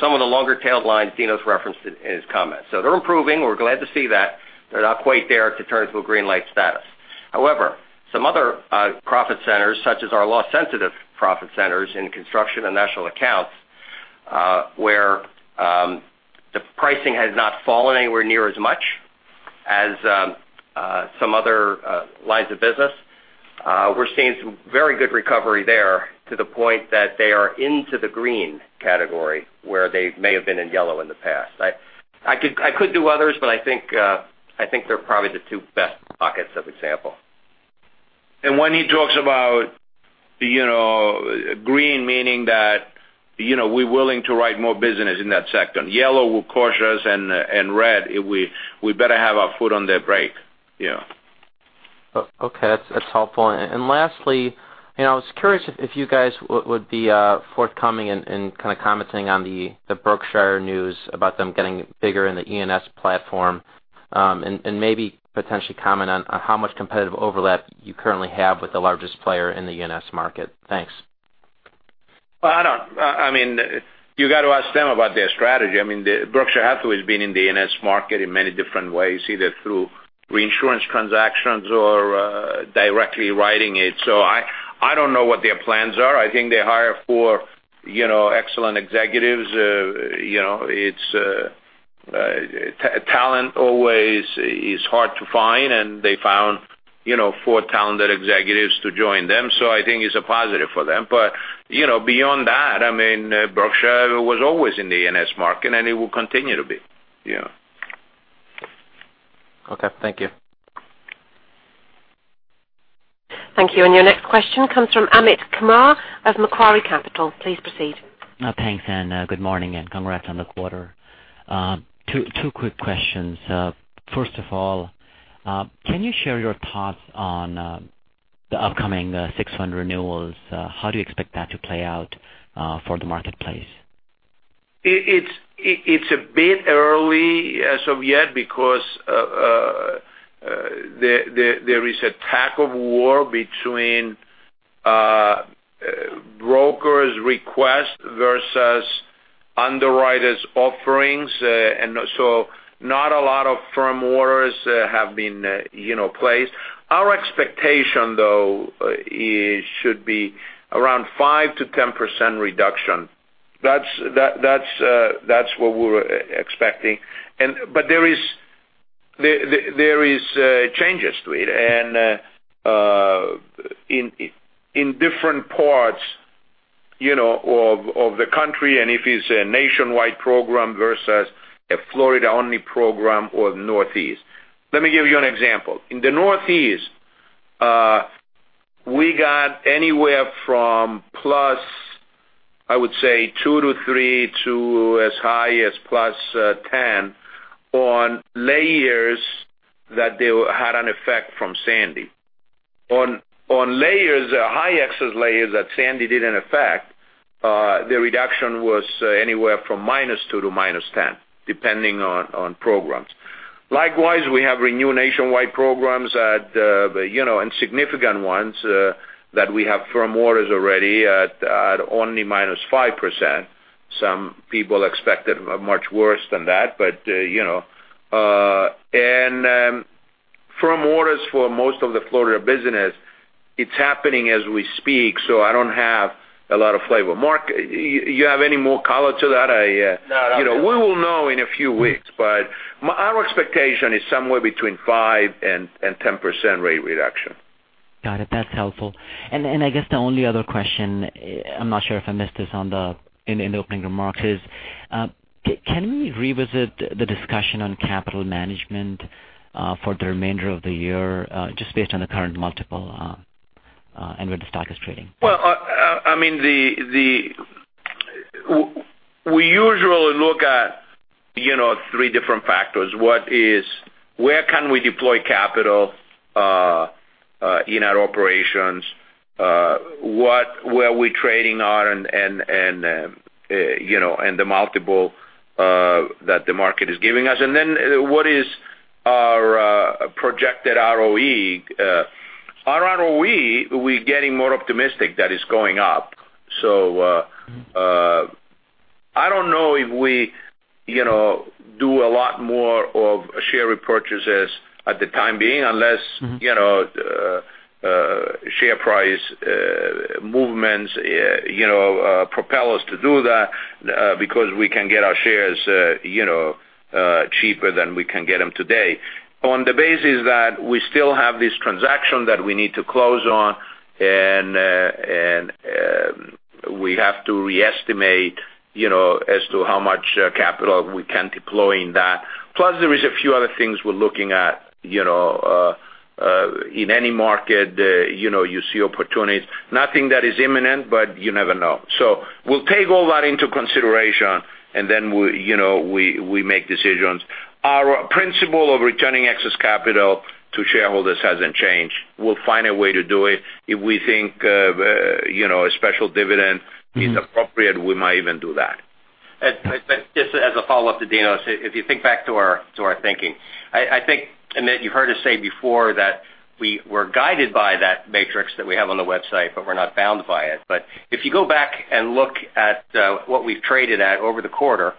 Some of the longer tail lines Dinos referenced in his comments. They're improving. We're glad to see that. They're not quite there to turn to a green light status. However, some other profit centers, such as our loss sensitive profit centers in construction and national accounts, where the pricing has not fallen anywhere near as much as some other lines of business. We're seeing some very good recovery there to the point that they are into the green category where they may have been in yellow in the past. I could do others, but I think they're probably the two best pockets of example. When he talks about green, meaning that we're willing to write more business in that sector. Yellow, we're cautious and red, we better have our foot on the brake. Okay. That's helpful. Lastly, I was curious if you guys would be forthcoming in kind of commenting on the Berkshire news about them getting bigger in the E&S platform, and maybe potentially comment on how much competitive overlap you currently have with the largest player in the E&S market. Thanks. Well, I don't. You got to ask them about their strategy. I mean, Berkshire Hathaway's been in the E&S market in many different ways, either through reinsurance transactions or directly writing it. I don't know what their plans are. I think they hire four excellent executives. Talent always is hard to find, and they found four talented executives to join them. I think it's a positive for them. Beyond that, Berkshire was always in the E&S market, and it will continue to be. Yeah. Okay. Thank you. Thank you. Your next question comes from Amit Kumar of Macquarie Capital. Please proceed. Thanks, good morning, congrats on the quarter. Two quick questions. First of all, can you share your thoughts on the upcoming June 1 renewals? How do you expect that to play out for the marketplace? It's a bit early as of yet because there is a tug of war between brokers' requests versus underwriters' offerings. Not a lot of firm orders have been placed. Our expectation, though, should be around 5%-10% reduction. That's what we're expecting. There is changes to it, and in different parts of the country, and if it's a nationwide program versus a Florida-only program or the Northeast. Let me give you an example. In the Northeast, we got anywhere from +2% to +3% to as high as +10% on layers that they had an effect from Sandy. On layers, high excess layers that Sandy didn't affect, the reduction was anywhere from -2% to -10%, depending on programs. Likewise, we have renew nationwide programs at the insignificant ones that we have firm orders already at only -5%. Some people expect it much worse than that. Firm orders for most of the Florida business, it's happening as we speak, so I don't have a lot of flavor. Mark, you have any more color to that? No, I don't. We will know in a few weeks, but our expectation is somewhere between 5% and 10% rate reduction. Got it. That's helpful. I guess the only other question, I'm not sure if I missed this in the opening remarks, is can we revisit the discussion on capital management for the remainder of the year, just based on the current multiple and where the stock is trading? We usually look at three different factors. What is where can we deploy capital in our operations, where are we trading on and the multiple that the market is giving us, and then what is our projected ROE? Our ROE, we're getting more optimistic that it's going up. I don't know if we do a lot more of share repurchases at the time being, unless share price movements propel us to do that because we can get our shares cheaper than we can get them today. On the basis that we still have this transaction that we need to close on, and we have to re-estimate as to how much capital we can deploy in that. There is a few other things we're looking at. In any market you see opportunities, nothing that is imminent, but you never know. We'll take all that into consideration, then we make decisions. Our principle of returning excess capital to shareholders hasn't changed. We'll find a way to do it. If we think a special dividend is appropriate, we might even do that. Just as a follow-up to Dinos, if you think back to our thinking, I think, Amit, you heard us say before that we were guided by that matrix that we have on the website, but we're not bound by it. If you go back and look at what we've traded at over the quarter,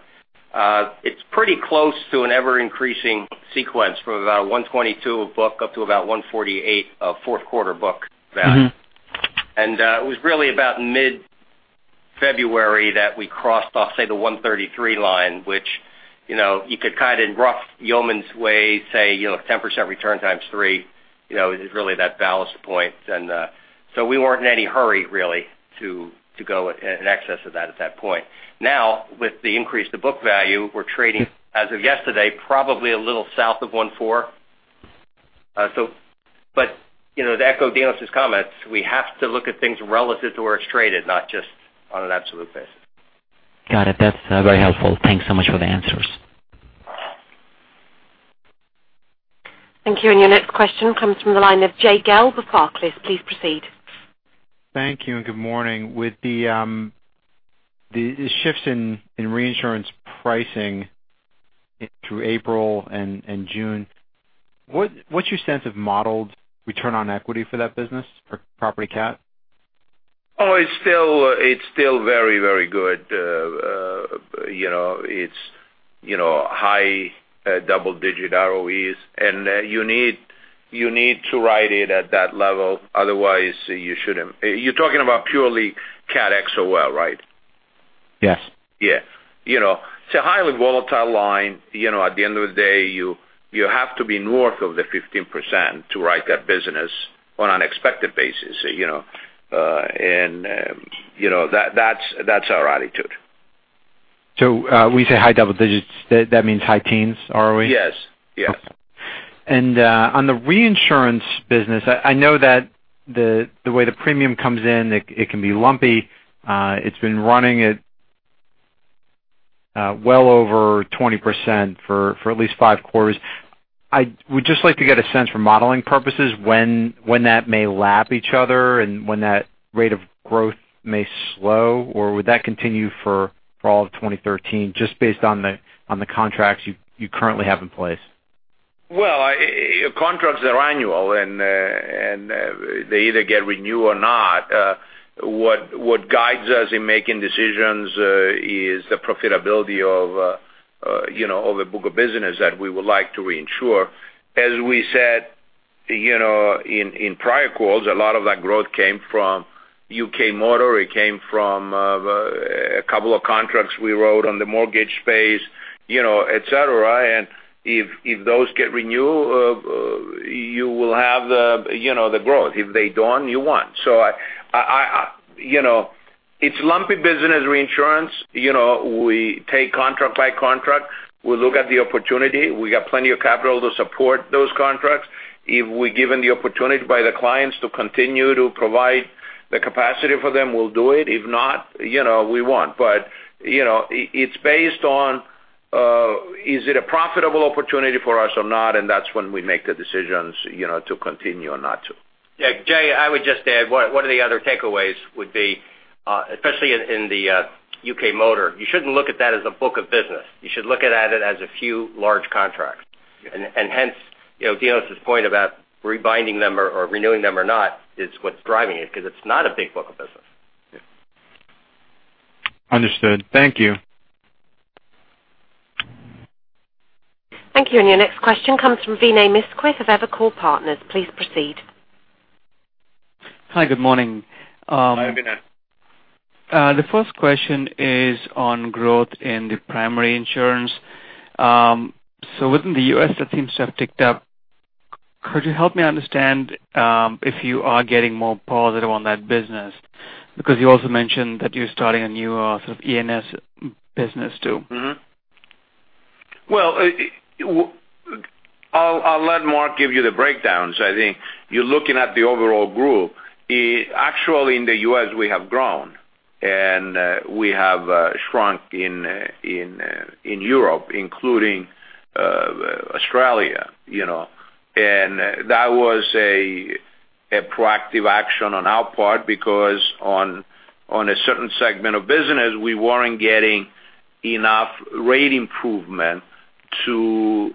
it's pretty close to an ever-increasing sequence from about 122 book up to about 148 fourth quarter book value. It was really about mid-February that we crossed off, say, the 133 line, which you could kind of in rough yeoman's way say, 10% return times three is really that ballast point. We weren't in any hurry, really, to go in excess of that at that point. Now, with the increase to book value, we're trading, as of yesterday, probably a little south of one four. To echo Dinos' comments, we have to look at things relative to where it's traded, not just on an absolute basis. Got it. That's very helpful. Thanks so much for the answers. Thank you. And your next question comes from the line of Jay Gelb of Barclays. Please proceed. Thank you, and good morning. With the shifts in reinsurance pricing through April and June, what's your sense of modeled return on equity for that business for property cat? Oh, it's still very good. It's high double-digit ROEs, and you need to ride it at that level. Otherwise, you shouldn't. You're talking about purely cat XOL, right? Yes. It's a highly volatile line. At the end of the day, you have to be north of the 15% to write that business on an expected basis. That's our attitude. When you say high double digits, that means high teens ROE? Yes. On the reinsurance business, I know that the way the premium comes in, it can be lumpy. It's been running at well over 20% for at least five quarters. I would just like to get a sense for modeling purposes, when that may lap each other and when that rate of growth may slow, or would that continue for all of 2013 just based on the contracts you currently have in place? Contracts are annual, and they either get renewed or not. What guides us in making decisions is the profitability of the book of business that we would like to reinsure. As we said in prior calls, a lot of that growth came from UK Motor. It came from a couple of contracts we wrote on the mortgage space, et cetera. If those get renewed, you will have the growth. If they don't, you won't. It's lumpy business, reinsurance. We take contract by contract. We look at the opportunity. We got plenty of capital to support those contracts. If we're given the opportunity by the clients to continue to provide the capacity for them, we'll do it. If not, we won't. It's based on, is it a profitable opportunity for us or not? That's when we make the decisions to continue or not to. Yeah, Jay, I would just add, one of the other takeaways would be, especially in the U.K. Motor, you shouldn't look at that as a book of business. You should look at it as a few large contracts. Yeah. Hence, Dinos' point about rebinding them or renewing them or not is what's driving it, because it's not a big book of business. Understood. Thank you. Thank you. Your next question comes from Vinay Misquith of Evercore Partners. Please proceed. Hi, good morning. Hi, Vinay. The first question is on growth in the primary insurance. Within the U.S., that seems to have ticked up. Could you help me understand if you are getting more positive on that business? Because you also mentioned that you're starting a new sort of E&S business, too. Well, I'll let Mark give you the breakdowns. I think you're looking at the overall group. Actually, in the U.S., we have grown, and we have shrunk in Europe, including Australia. That was a proactive action on our part because on a certain segment of business, we weren't getting enough rate improvement to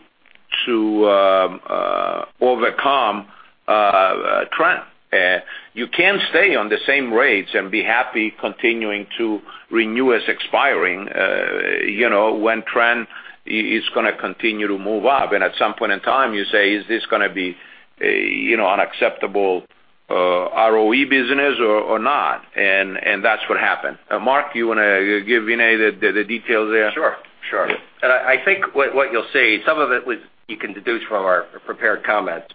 overcome trend. You can't stay on the same rates and be happy continuing to renew as expiring when trend is going to continue to move up. At some point in time, you say, "Is this going to be an acceptable ROE business or not?" That's what happened. Mark, you want to give Vinay the details there? Sure. I think what you'll see, some of it you can deduce from our prepared comments.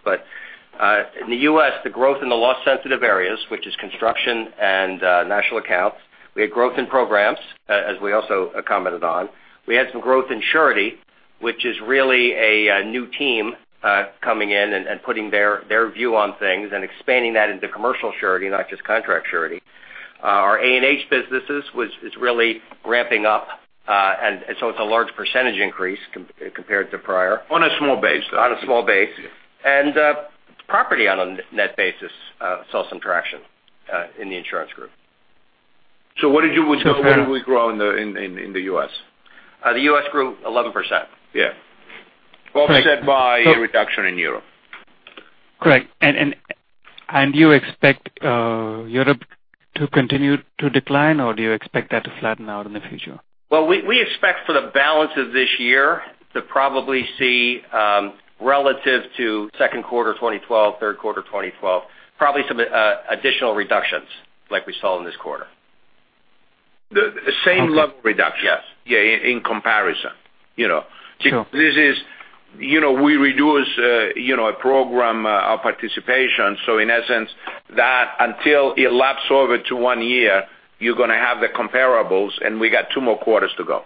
In the U.S., the growth in the loss-sensitive areas, which is construction and national accounts, we had growth in programs, as we also commented on. We had some growth in surety, which is really a new team coming in and putting their view on things and expanding that into commercial surety, not just contract surety. Our A&H businesses is really ramping up, it's a large % increase compared to prior. On a small base, though. On a small base. Yeah. Property on a net basis saw some traction in the insurance group. Where did we grow in the U.S.? The U.S. grew 11%. Yeah. Great. Offset by a reduction in Europe. Correct. You expect Europe to continue to decline, or do you expect that to flatten out in the future? Well, we expect for the balance of this year to probably see, relative to second quarter 2012, third quarter 2012, probably some additional reductions like we saw in this quarter. The same level of reduction. Yes. Yeah, in comparison. Sure. In essence, that until it laps over to one year, you're going to have the comparables, and we got two more quarters to go.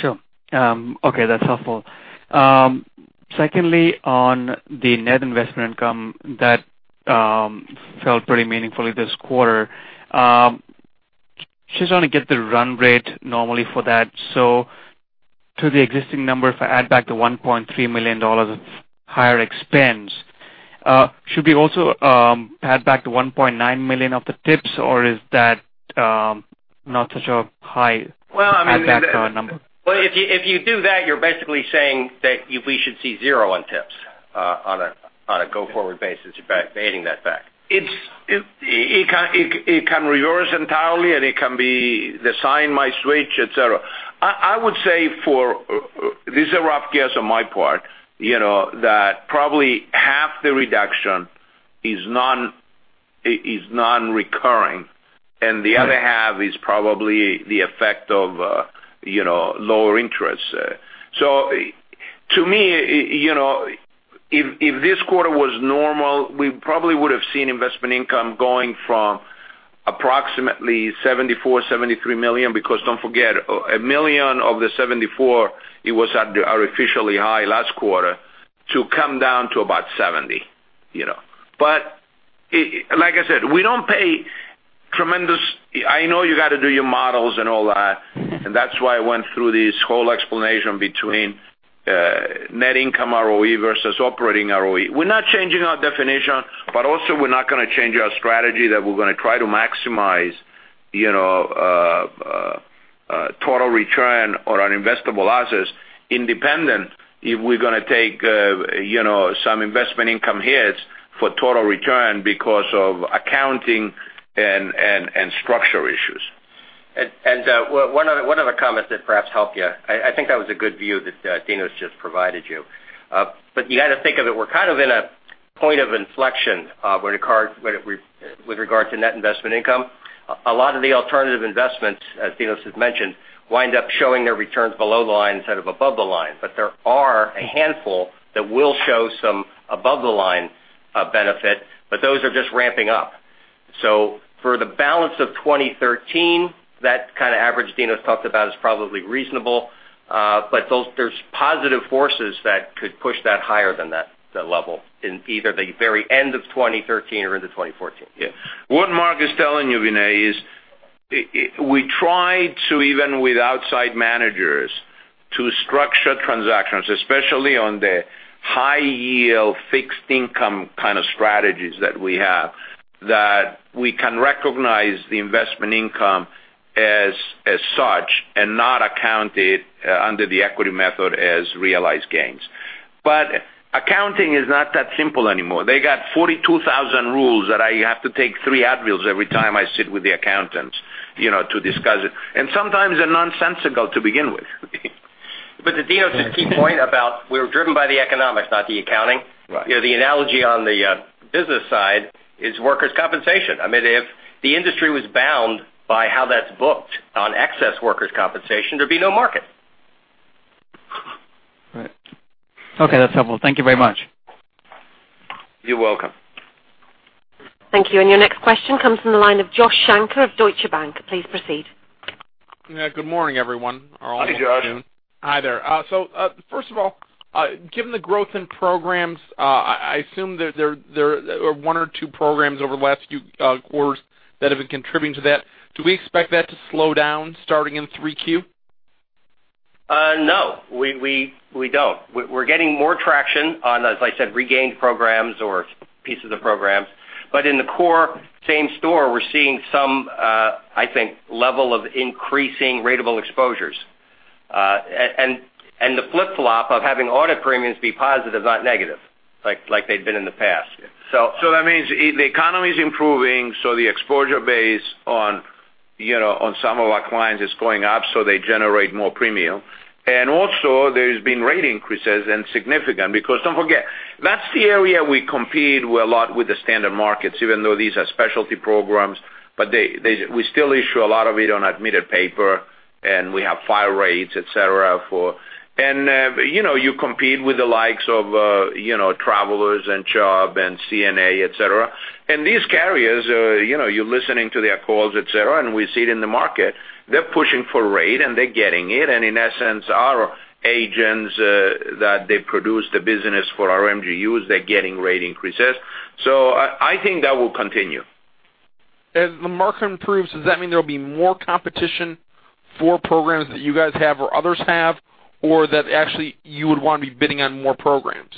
Sure. Okay, that's helpful. Secondly, on the net investment income, that fell pretty meaningfully this quarter. I just want to get the run rate normally for that. To the existing number, if I add back the $1.3 million of higher expense, should we also add back the $1.9 million of the TIPS, or is that not such a high-? Well, I mean- add back number? Well, if you do that, you're basically saying that we should see zero on TIPS on a go-forward basis. You're back dating that back. It can reverse entirely, and the sign might switch, et cetera. I would say, this is a rough guess on my part, that probably half the reduction is non-recurring, and the other half is probably the effect of lower interest. To me, if this quarter was normal, we probably would've seen investment income going from approximately $74 million, $73 million, because don't forget, a million of the $74 million, it was artificially high last quarter to come down to about $70 million. Like I said, we don't pay tremendous I know you got to do your models and all that, and that's why I went through this whole explanation between net income ROE versus operating ROE. We're not changing our definition, also we're not going to change our strategy that we're going to try to maximize total return on our investable assets independent if we're going to take some investment income hits for total return because of accounting and structure issues. One other comment that perhaps help you, I think that was a good view that Dinos just provided you. You got to think of it, we're kind of in a point of inflection with regard to net investment income. A lot of the alternative investments, as Dinos just mentioned, wind up showing their returns below the line instead of above the line. There are a handful that will show some above the line benefit, but those are just ramping up. For the balance of 2013, that kind of average Dinos talked about is probably reasonable. There's positive forces that could push that higher than that level in either the very end of 2013 or into 2014. Yeah. What Mark is telling you, Vinay, is we try to, even with outside managers, to structure transactions, especially on the high yield fixed income kind of strategies that we have, that we can recognize the investment income as such and not accounted under the equity method as realized gains. Accounting is not that simple anymore. They got 42,000 rules that I have to take three Advil every time I sit with the accountants to discuss it. Sometimes they're nonsensical to begin with. To Dino's key point about we're driven by the economics, not the accounting. Right. The analogy on the business side is workers' compensation. I mean, if the industry was bound by how that's booked on excess workers' compensation, there'd be no market. Right. Okay, that's helpful. Thank you very much. You're welcome. Thank you. Your next question comes from the line of Joshua Shanker of Deutsche Bank. Please proceed. Yeah. Good morning, everyone, or almost noon. Hi, Josh. Hi there. First of all, given the growth in programs, I assume there are one or two programs over the last few quarters that have been contributing to that. Do we expect that to slow down starting in 3Q? No. We don't. We're getting more traction on, as I said, regained programs or pieces of programs. In the core same store, we're seeing some, I think, level of increasing ratable exposures. The flip-flop of having audit premiums be positive, not negative, like they'd been in the past. That means the economy's improving, the exposure base on some of our clients is going up, they generate more premium. Also, there's been rate increases and significant, because don't forget, that's the area we compete a lot with the standard markets, even though these are specialty programs, we still issue a lot of it on admitted paper, we have file rates, et cetera. You compete with the likes of Travelers and Chubb and CNA, et cetera. These carriers, you're listening to their calls, et cetera, we see it in the market. They're pushing for rate, they're getting it. In essence, our agents that they produce the business for our MGUs, they're getting rate increases. I think that will continue. As the market improves, does that mean there'll be more competition for programs that you guys have or others have, or that actually you would want to be bidding on more programs?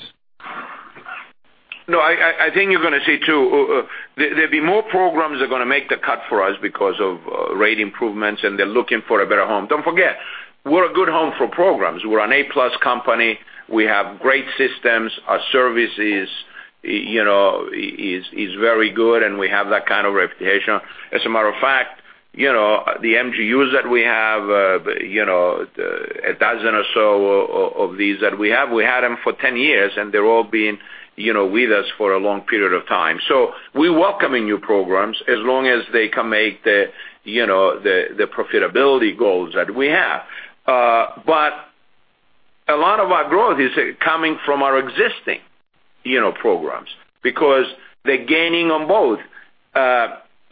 No, I think you're going to see too, there'd be more programs that are going to make the cut for us because of rate improvements, they're looking for a better home. Don't forget, we're a good home for programs. We're an A-plus company. We have great systems. Our service is very good, we have that kind of reputation. As a matter of fact, the MGUs that we have, a dozen or so of these that we have, we had them for 10 years, they're all been with us for a long period of time. We welcome new programs as long as they can make the profitability goals that we have. A lot of our growth is coming from our existing programs because they're gaining on both.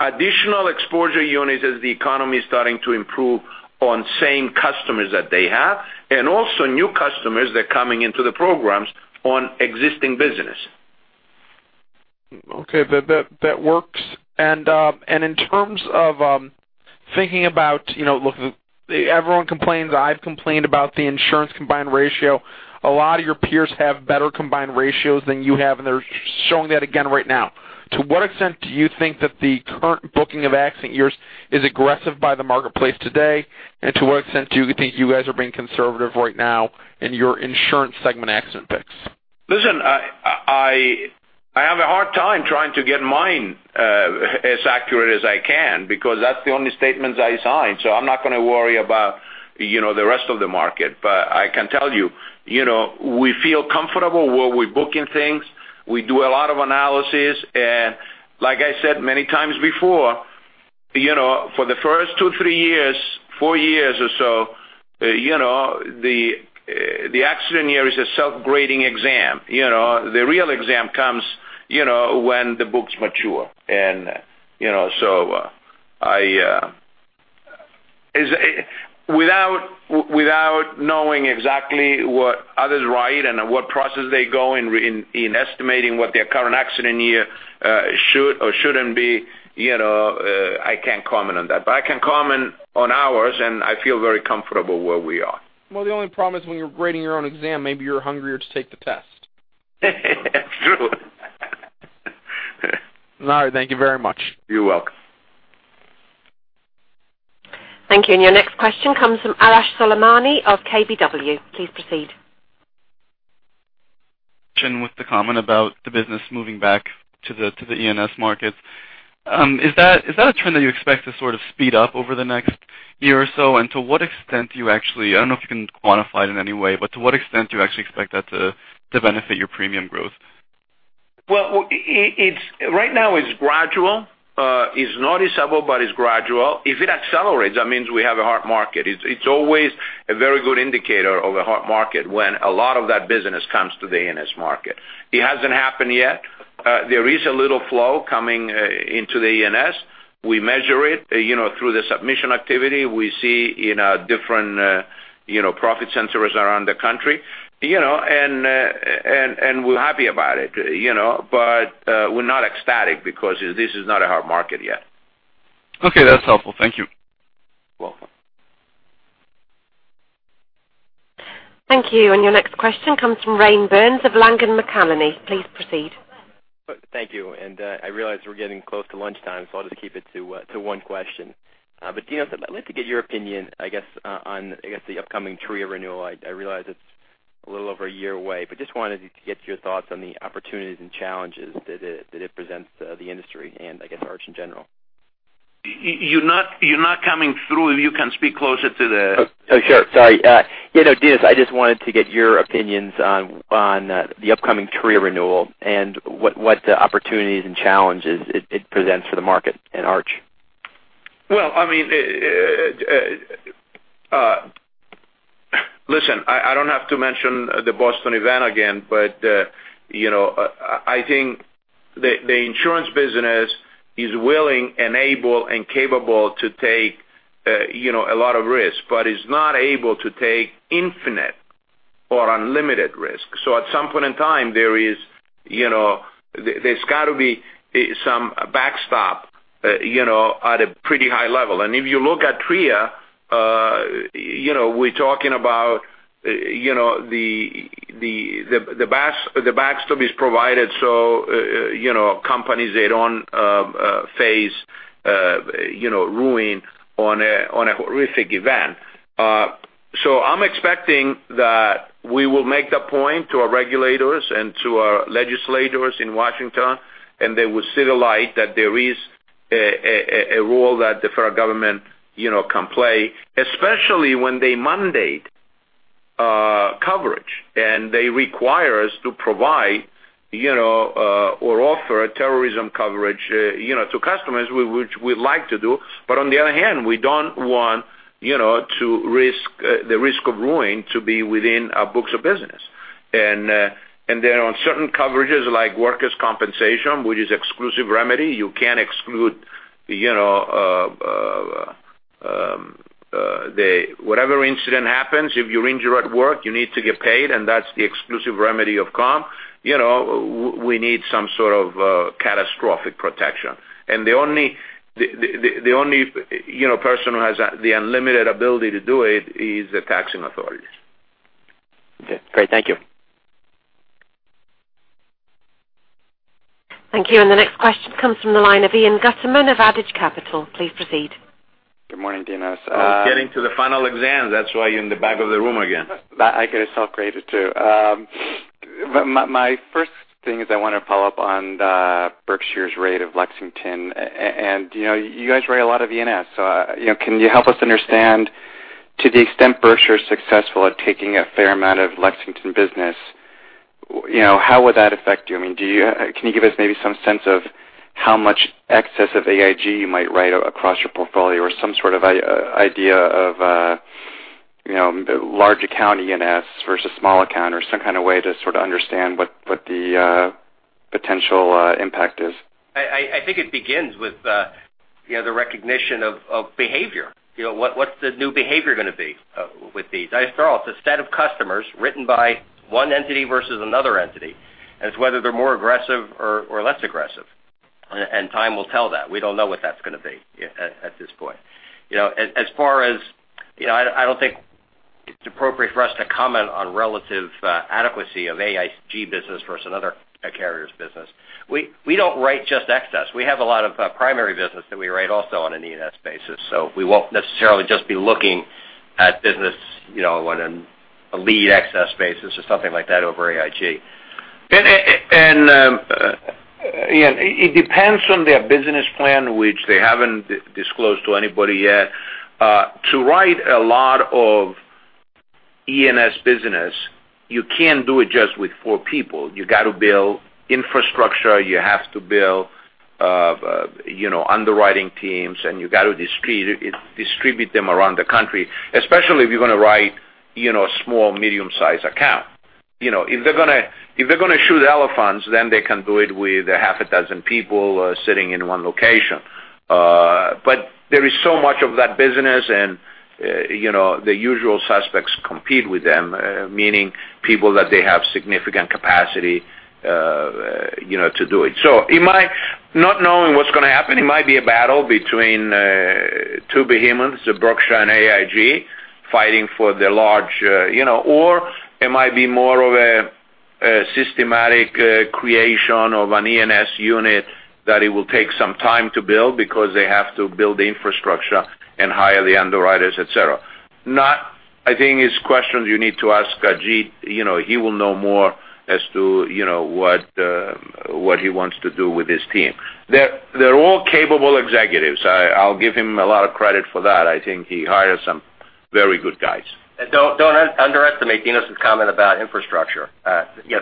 Additional exposure units as the economy is starting to improve on same customers that they have, and also new customers that are coming into the programs on existing business. Okay. That works. Thinking about, everyone complains, I've complained about the insurance combined ratio. A lot of your peers have better combined ratios than you have, and they're showing that again right now. To what extent do you think that the current booking of accident years is aggressive by the marketplace today? To what extent do you think you guys are being conservative right now in your insurance segment accident picks? Listen, I have a hard time trying to get mine as accurate as I can because that's the only statements I sign. I'm not going to worry about the rest of the market. I can tell you, we feel comfortable where we're booking things. We do a lot of analysis, and like I said many times before, for the first two, three years, four years or so, the accident year is a self-grading exam. The real exam comes when the books mature. Without knowing exactly what others write and what process they go in estimating what their current accident year should or shouldn't be, I can't comment on that. I can comment on ours, and I feel very comfortable where we are. Well, the only problem is when you're grading your own exam, maybe you're hungrier to take the test. True. No, thank you very much. You're welcome. Thank you. Your next question comes from Arash Soleimani of KBW. Please proceed. With the comment about the business moving back to the E&S markets. Is that a trend that you expect to speed up over the next year or so? To what extent do you actually, I don't know if you can quantify it in any way, but to what extent do you actually expect that to benefit your premium growth? Well, right now it's gradual. It's noticeable, but it's gradual. If it accelerates, that means we have a hard market. It's always a very good indicator of a hard market when a lot of that business comes to the E&S market. It hasn't happened yet. There is a little flow coming into the E&S. We measure it through the submission activity. We see different profit centers around the country. We're happy about it, but we're not ecstatic because this is not a hard market yet. Okay, that's helpful. Thank you. You're welcome. Thank you. Your next question comes from Ryan Burns of Langen McAlenney. Please proceed. Thank you. I realize we're getting close to lunchtime, so I'll just keep it to one question. Dinos, I'd like to get your opinion, I guess, on the upcoming TRIA renewal. I realize it's a little over a year away, but just wanted to get your thoughts on the opportunities and challenges that it presents the industry and I guess Arch in general. You're not coming through. If you can speak closer to the- Oh, sure. Sorry. Dinos, I just wanted to get your opinions on the upcoming TRIA renewal and what opportunities and challenges it presents for the market and Arch. Listen, I don't have to mention the Boston event again, but I think the insurance business is willing and able and capable to take a lot of risk, but is not able to take infinite or unlimited risk. At some point in time, there's got to be some backstop at a pretty high level. If you look at TRIA, we're talking about the backstop is provided so companies, they don't face ruin on a horrific event. I'm expecting that we will make the point to our regulators and to our legislators in Washington, and they will see the light that there is a role that the federal government can play, especially when they mandate coverage, and they require us to provide or offer a terrorism coverage to customers, which we like to do. On the other hand, we don't want the risk of ruin to be within our books of business. On certain coverages like workers' compensation, which is exclusive remedy, you can't exclude whatever incident happens, if you're injured at work, you need to get paid, and that's the exclusive remedy of comp. We need some sort of catastrophic protection. The only person who has the unlimited ability to do it is the taxing authorities. Okay, great. Thank you. Thank you. The next question comes from the line of Ian Gutterman of Adage Capital. Please proceed. Good morning, Dinos. We're getting to the final exam. That's why you're in the back of the room again. I get it self-graded, too. My first thing is I want to follow up on the Berkshire's raid of Lexington. You guys write a lot of E&S. Can you help us understand to the extent Berkshire is successful at taking a fair amount of Lexington business, how would that affect you? Can you give us maybe some sense of how much excess of AIG you might write across your portfolio or some sort of idea of large account E&S versus small account or some kind of way to sort of understand what the potential impact is? I think it begins with the recognition of behavior. What's the new behavior going to be with these? After all, it's a set of customers written by one entity versus another entity. It's whether they're more aggressive or less aggressive, time will tell that. We don't know what that's going to be at this point. I don't think it's appropriate for us to comment on relative adequacy of AIG business versus another carrier's business. We don't write just excess. We have a lot of primary business that we write also on an E&S basis. We won't necessarily just be looking at business on a lead excess basis or something like that over AIG. Ian, it depends on their business plan, which they haven't disclosed to anybody yet. To write a lot of E&S business, you can't do it just with four people. You got to build infrastructure, you have to build underwriting teams, you got to distribute them around the country, especially if you're going to write small, medium-sized account. If they're going to shoot elephants, they can do it with a half a dozen people sitting in one location. There is so much of that business, the usual suspects compete with them, meaning people that they have significant capacity to do it. Not knowing what's going to happen, it might be a battle between two behemoths, Berkshire and AIG, fighting for the large. It might be more of a systematic creation of an E&S unit that it will take some time to build because they have to build the infrastructure and hire the underwriters, et cetera. I think it's questions you need to ask Ajit. He will know more as to what he wants to do with his team. They're all capable executives. I'll give him a lot of credit for that. I think he hired some very good guys. Don't underestimate Dinos' comment about infrastructure.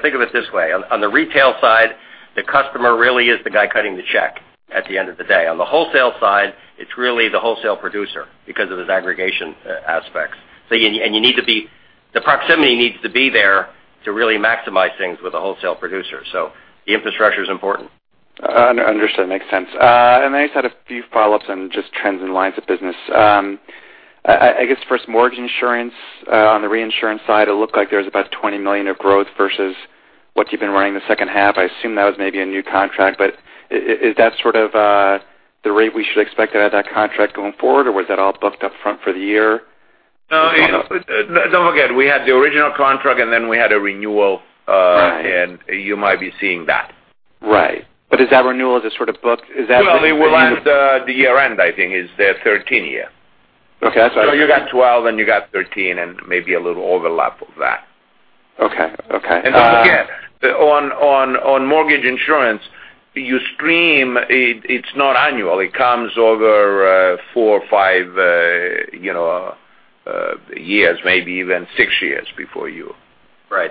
Think of it this way. On the retail side, the customer really is the guy cutting the check at the end of the day. On the wholesale side, it's really the wholesale producer because of his aggregation aspects. The proximity needs to be there to really maximize things with a wholesale producer. The infrastructure is important. Understood. Makes sense. I just had a few follow-ups on just trends and lines of business. I guess first, mortgage insurance on the reinsurance side, it looked like there was about $20 million of growth versus what you've been running the second half. I assume that was maybe a new contract, but is that sort of the rate we should expect out of that contract going forward, or was that all booked up front for the year? Don't forget, we had the original contract, we had a renewal. Right you might be seeing that. Right. Is that renewal sort of booked? No, they will end the year-end, I think, is their 2013 year. Okay. You got 2012, and you got 2013, and maybe a little overlap of that. Okay. Don't forget, on mortgage insurance, you stream, it's not annual. It comes over four or five years, maybe even six years before you. Right.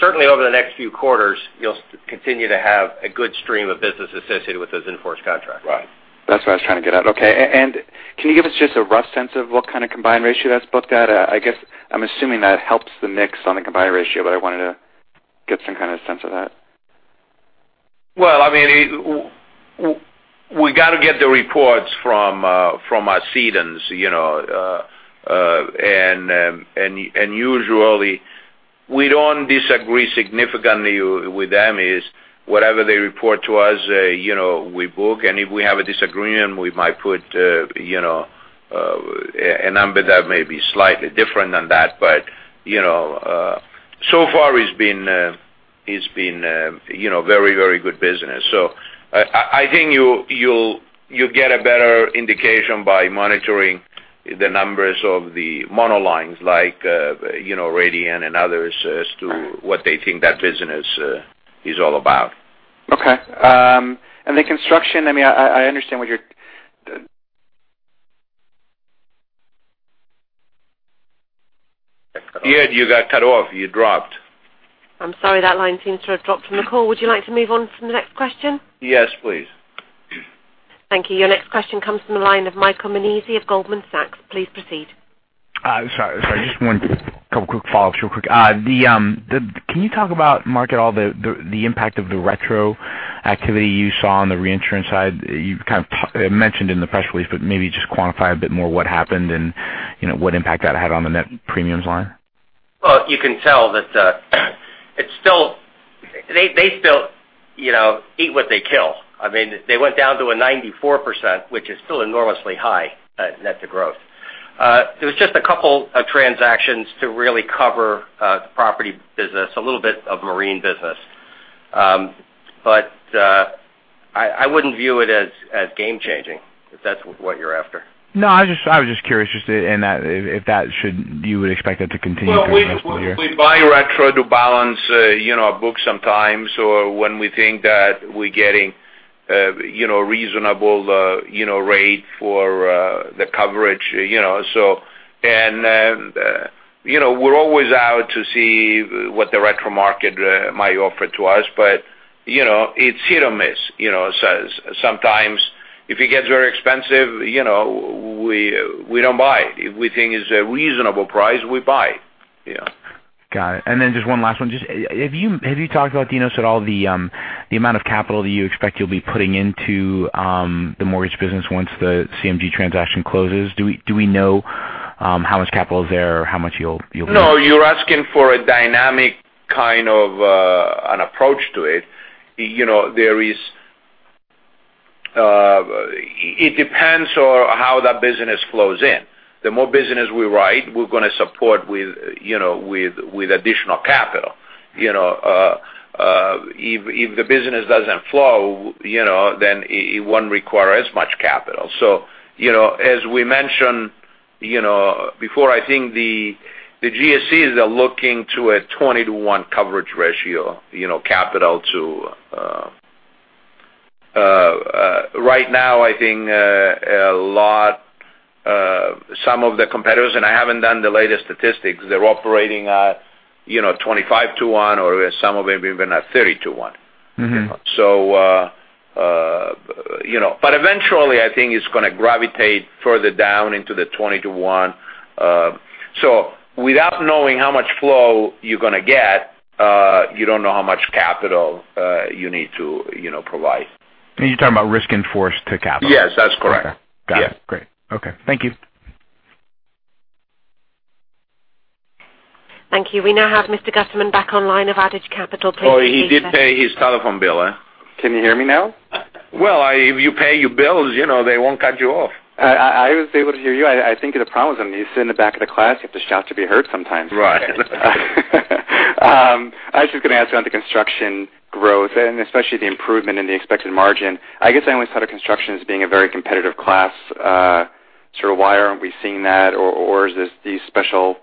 Certainly over the next few quarters, you'll continue to have a good stream of business associated with those in-force contracts. Right. That's what I was trying to get at. Okay. Can you give us just a rough sense of what kind of combined ratio that's booked at? I guess I'm assuming that helps the mix on the combined ratio, but I wanted to get some kind of sense of that. Well, we got to get the reports from our cedants. Usually, we don't disagree significantly with them, is whatever they report to us, we book. If we have a disagreement, we might put a number that may be slightly different than that. So far it's been very, very good business. I think you'll get a better indication by monitoring the numbers of the monolines like Radian and others as to what they think that business is all about. Okay. The construction, I understand what you're Ian, you got cut off. You dropped. I'm sorry, that line seems to have dropped from the call. Would you like to move on from the next question? Yes, please. Thank you. Your next question comes from the line of Michael Nannizzi of Goldman Sachs. Please proceed. Sorry. Just couple quick follow-ups real quick. Can you talk about market, all the impact of the retro activity you saw on the reinsurance side? You kind of mentioned in the press release, but maybe just quantify a bit more what happened and what impact that had on the net premiums line. Well, you can tell that they still eat what they kill. They went down to a 94%, which is still enormously high net to gross. There was just a couple of transactions to really cover the property business, a little bit of marine business. I wouldn't view it as game-changing, if that's what you're after. No, I was just curious if that you would expect that to continue. Well, we buy retro to balance our books sometimes or when we think that we're getting reasonable rate for the coverage. We're always out to see what the retro market might offer to us. It's hit or miss. Sometimes if it gets very expensive, we don't buy. If we think it's a reasonable price, we buy. Got it. Then just one last one. Have you talked about, Dinos, at all the amount of capital that you expect you'll be putting into the mortgage business once the CMG transaction closes? Do we know how much capital is there? How much you'll be? No, you're asking for a dynamic kind of an approach to it. It depends on how that business flows in. The more business we write, we're going to support with additional capital. If the business doesn't flow, it wouldn't require as much capital. As we mentioned before, I think the GSEs are looking to a 20 to one coverage ratio. Right now, I think some of the competitors, and I haven't done the latest statistics, they're operating at 25 to one or some of them even at 30 to one. Eventually, I think it's going to gravitate further down into the 20 to 1. Without knowing how much flow you're going to get, you don't know how much capital you need to provide. You're talking about risk in force to capital. Yes, that's correct. Okay. Got it. Yeah. Great. Okay. Thank you. Thank you. We now have Mr. Gutterman back online of Adage Capital. Please- Oh, he did pay his telephone bill, huh? Can you hear me now? Well, if you pay your bills, they won't cut you off. I was able to hear you. I think the problem is you sit in the back of the class, you have to shout to be heard sometimes. Right. I was just going to ask about the construction growth and especially the improvement in the expected margin. I guess I always thought of construction as being a very competitive class. Why aren't we seeing that? Is this the special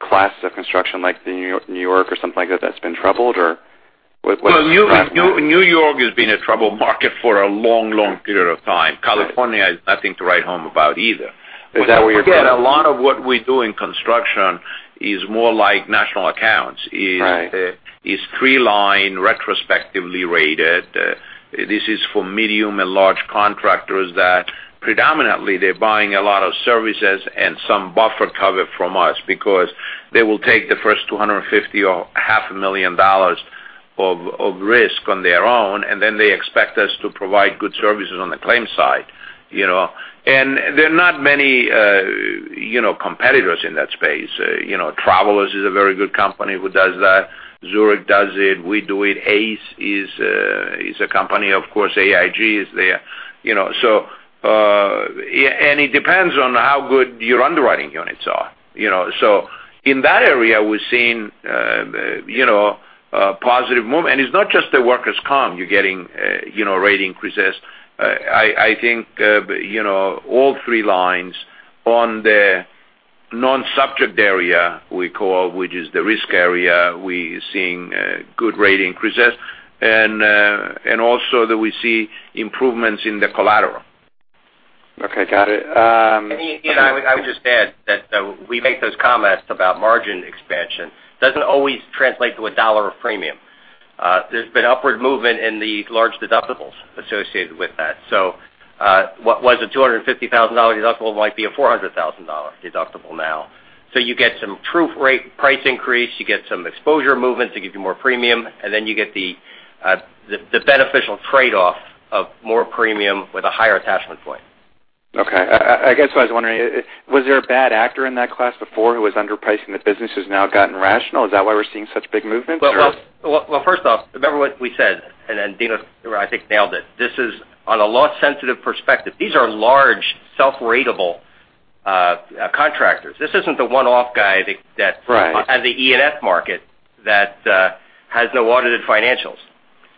class of construction, like the New York or something like that's been troubled? What's the drive there? Well, New York has been a troubled market for a long period of time. Right. California is nothing to write home about either. Is that where you're? Again, a lot of what we do in construction is more like national accounts. Right. Is pre-lined, retrospectively rated. This is for medium and large contractors that predominantly they're buying a lot of services and some buffer cover from us because they will take the first 250 or half a million dollars of risk on their own, and then they expect us to provide good services on the claims side. There are not many competitors in that space. Travelers is a very good company who does that. Zurich does it. We do it. ACE is a company, of course, AIG is there. It depends on how good your underwriting units are. In that area, we're seeing a positive movement. It's not just the workers' comp you're getting rate increases. I think all three lines on the non-subject area we call, which is the risk area, we're seeing good rate increases. Also that we see improvements in the collateral. Okay. Got it. Ian, I would just add that we make those comments about margin expansion. Doesn't always translate to a dollar of premium. There's been upward movement in the large deductibles associated with that. What was a $250,000 deductible might be a $400,000 deductible now. You get some true price increase, you get some exposure movement to give you more premium, and then you get the beneficial trade-off of more premium with a higher attachment point. Okay. I guess what I was wondering, was there a bad actor in that class before who was underpricing the business who's now gotten rational? Is that why we're seeing such big movements? Well, first off, remember what we said, and then Dino, I think, nailed it. This is on a loss-sensitive perspective. These are large self-ratable contractors. This isn't the one-off guy. Right at the E&S market that has no audited financials.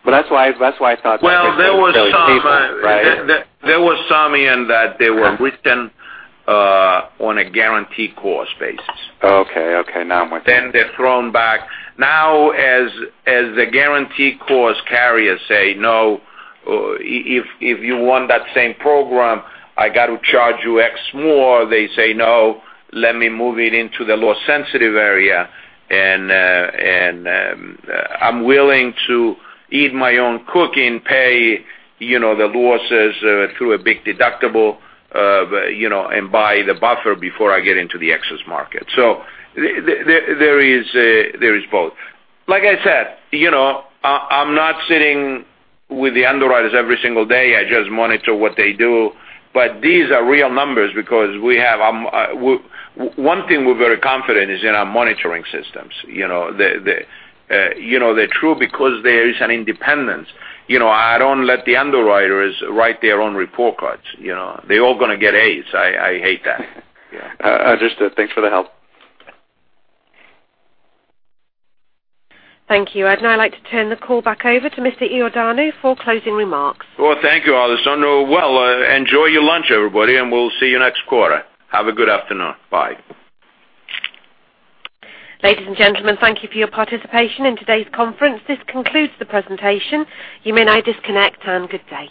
that's why I thought. Well, there were some. Right there were some in that they were written on a guaranteed cost basis. Okay. Now I'm with you. They're thrown back. As the guaranteed cost carriers say, "No, if you want that same program, I got to charge you X more." They say, "No, let me move it into the loss-sensitive area, and I'm willing to eat my own cooking, pay the losses through a big deductible and buy the buffer before I get into the excess market." There is both. Like I said, I'm not sitting with the underwriters every single day. I just monitor what they do. These are real numbers because one thing we're very confident is in our monitoring systems. They're true because there is an independence. I don't let the underwriters write their own report cards. They're all going to get As. I hate that. Yeah. Understood. Thanks for the help. Thank you. I'd now like to turn the call back over to Mr. Iordanou for closing remarks. Well, thank you, Alison. Well, enjoy your lunch, everybody, and we'll see you next quarter. Have a good afternoon. Bye. Ladies and gentlemen, thank you for your participation in today's conference. This concludes the presentation. You may now disconnect, and good day.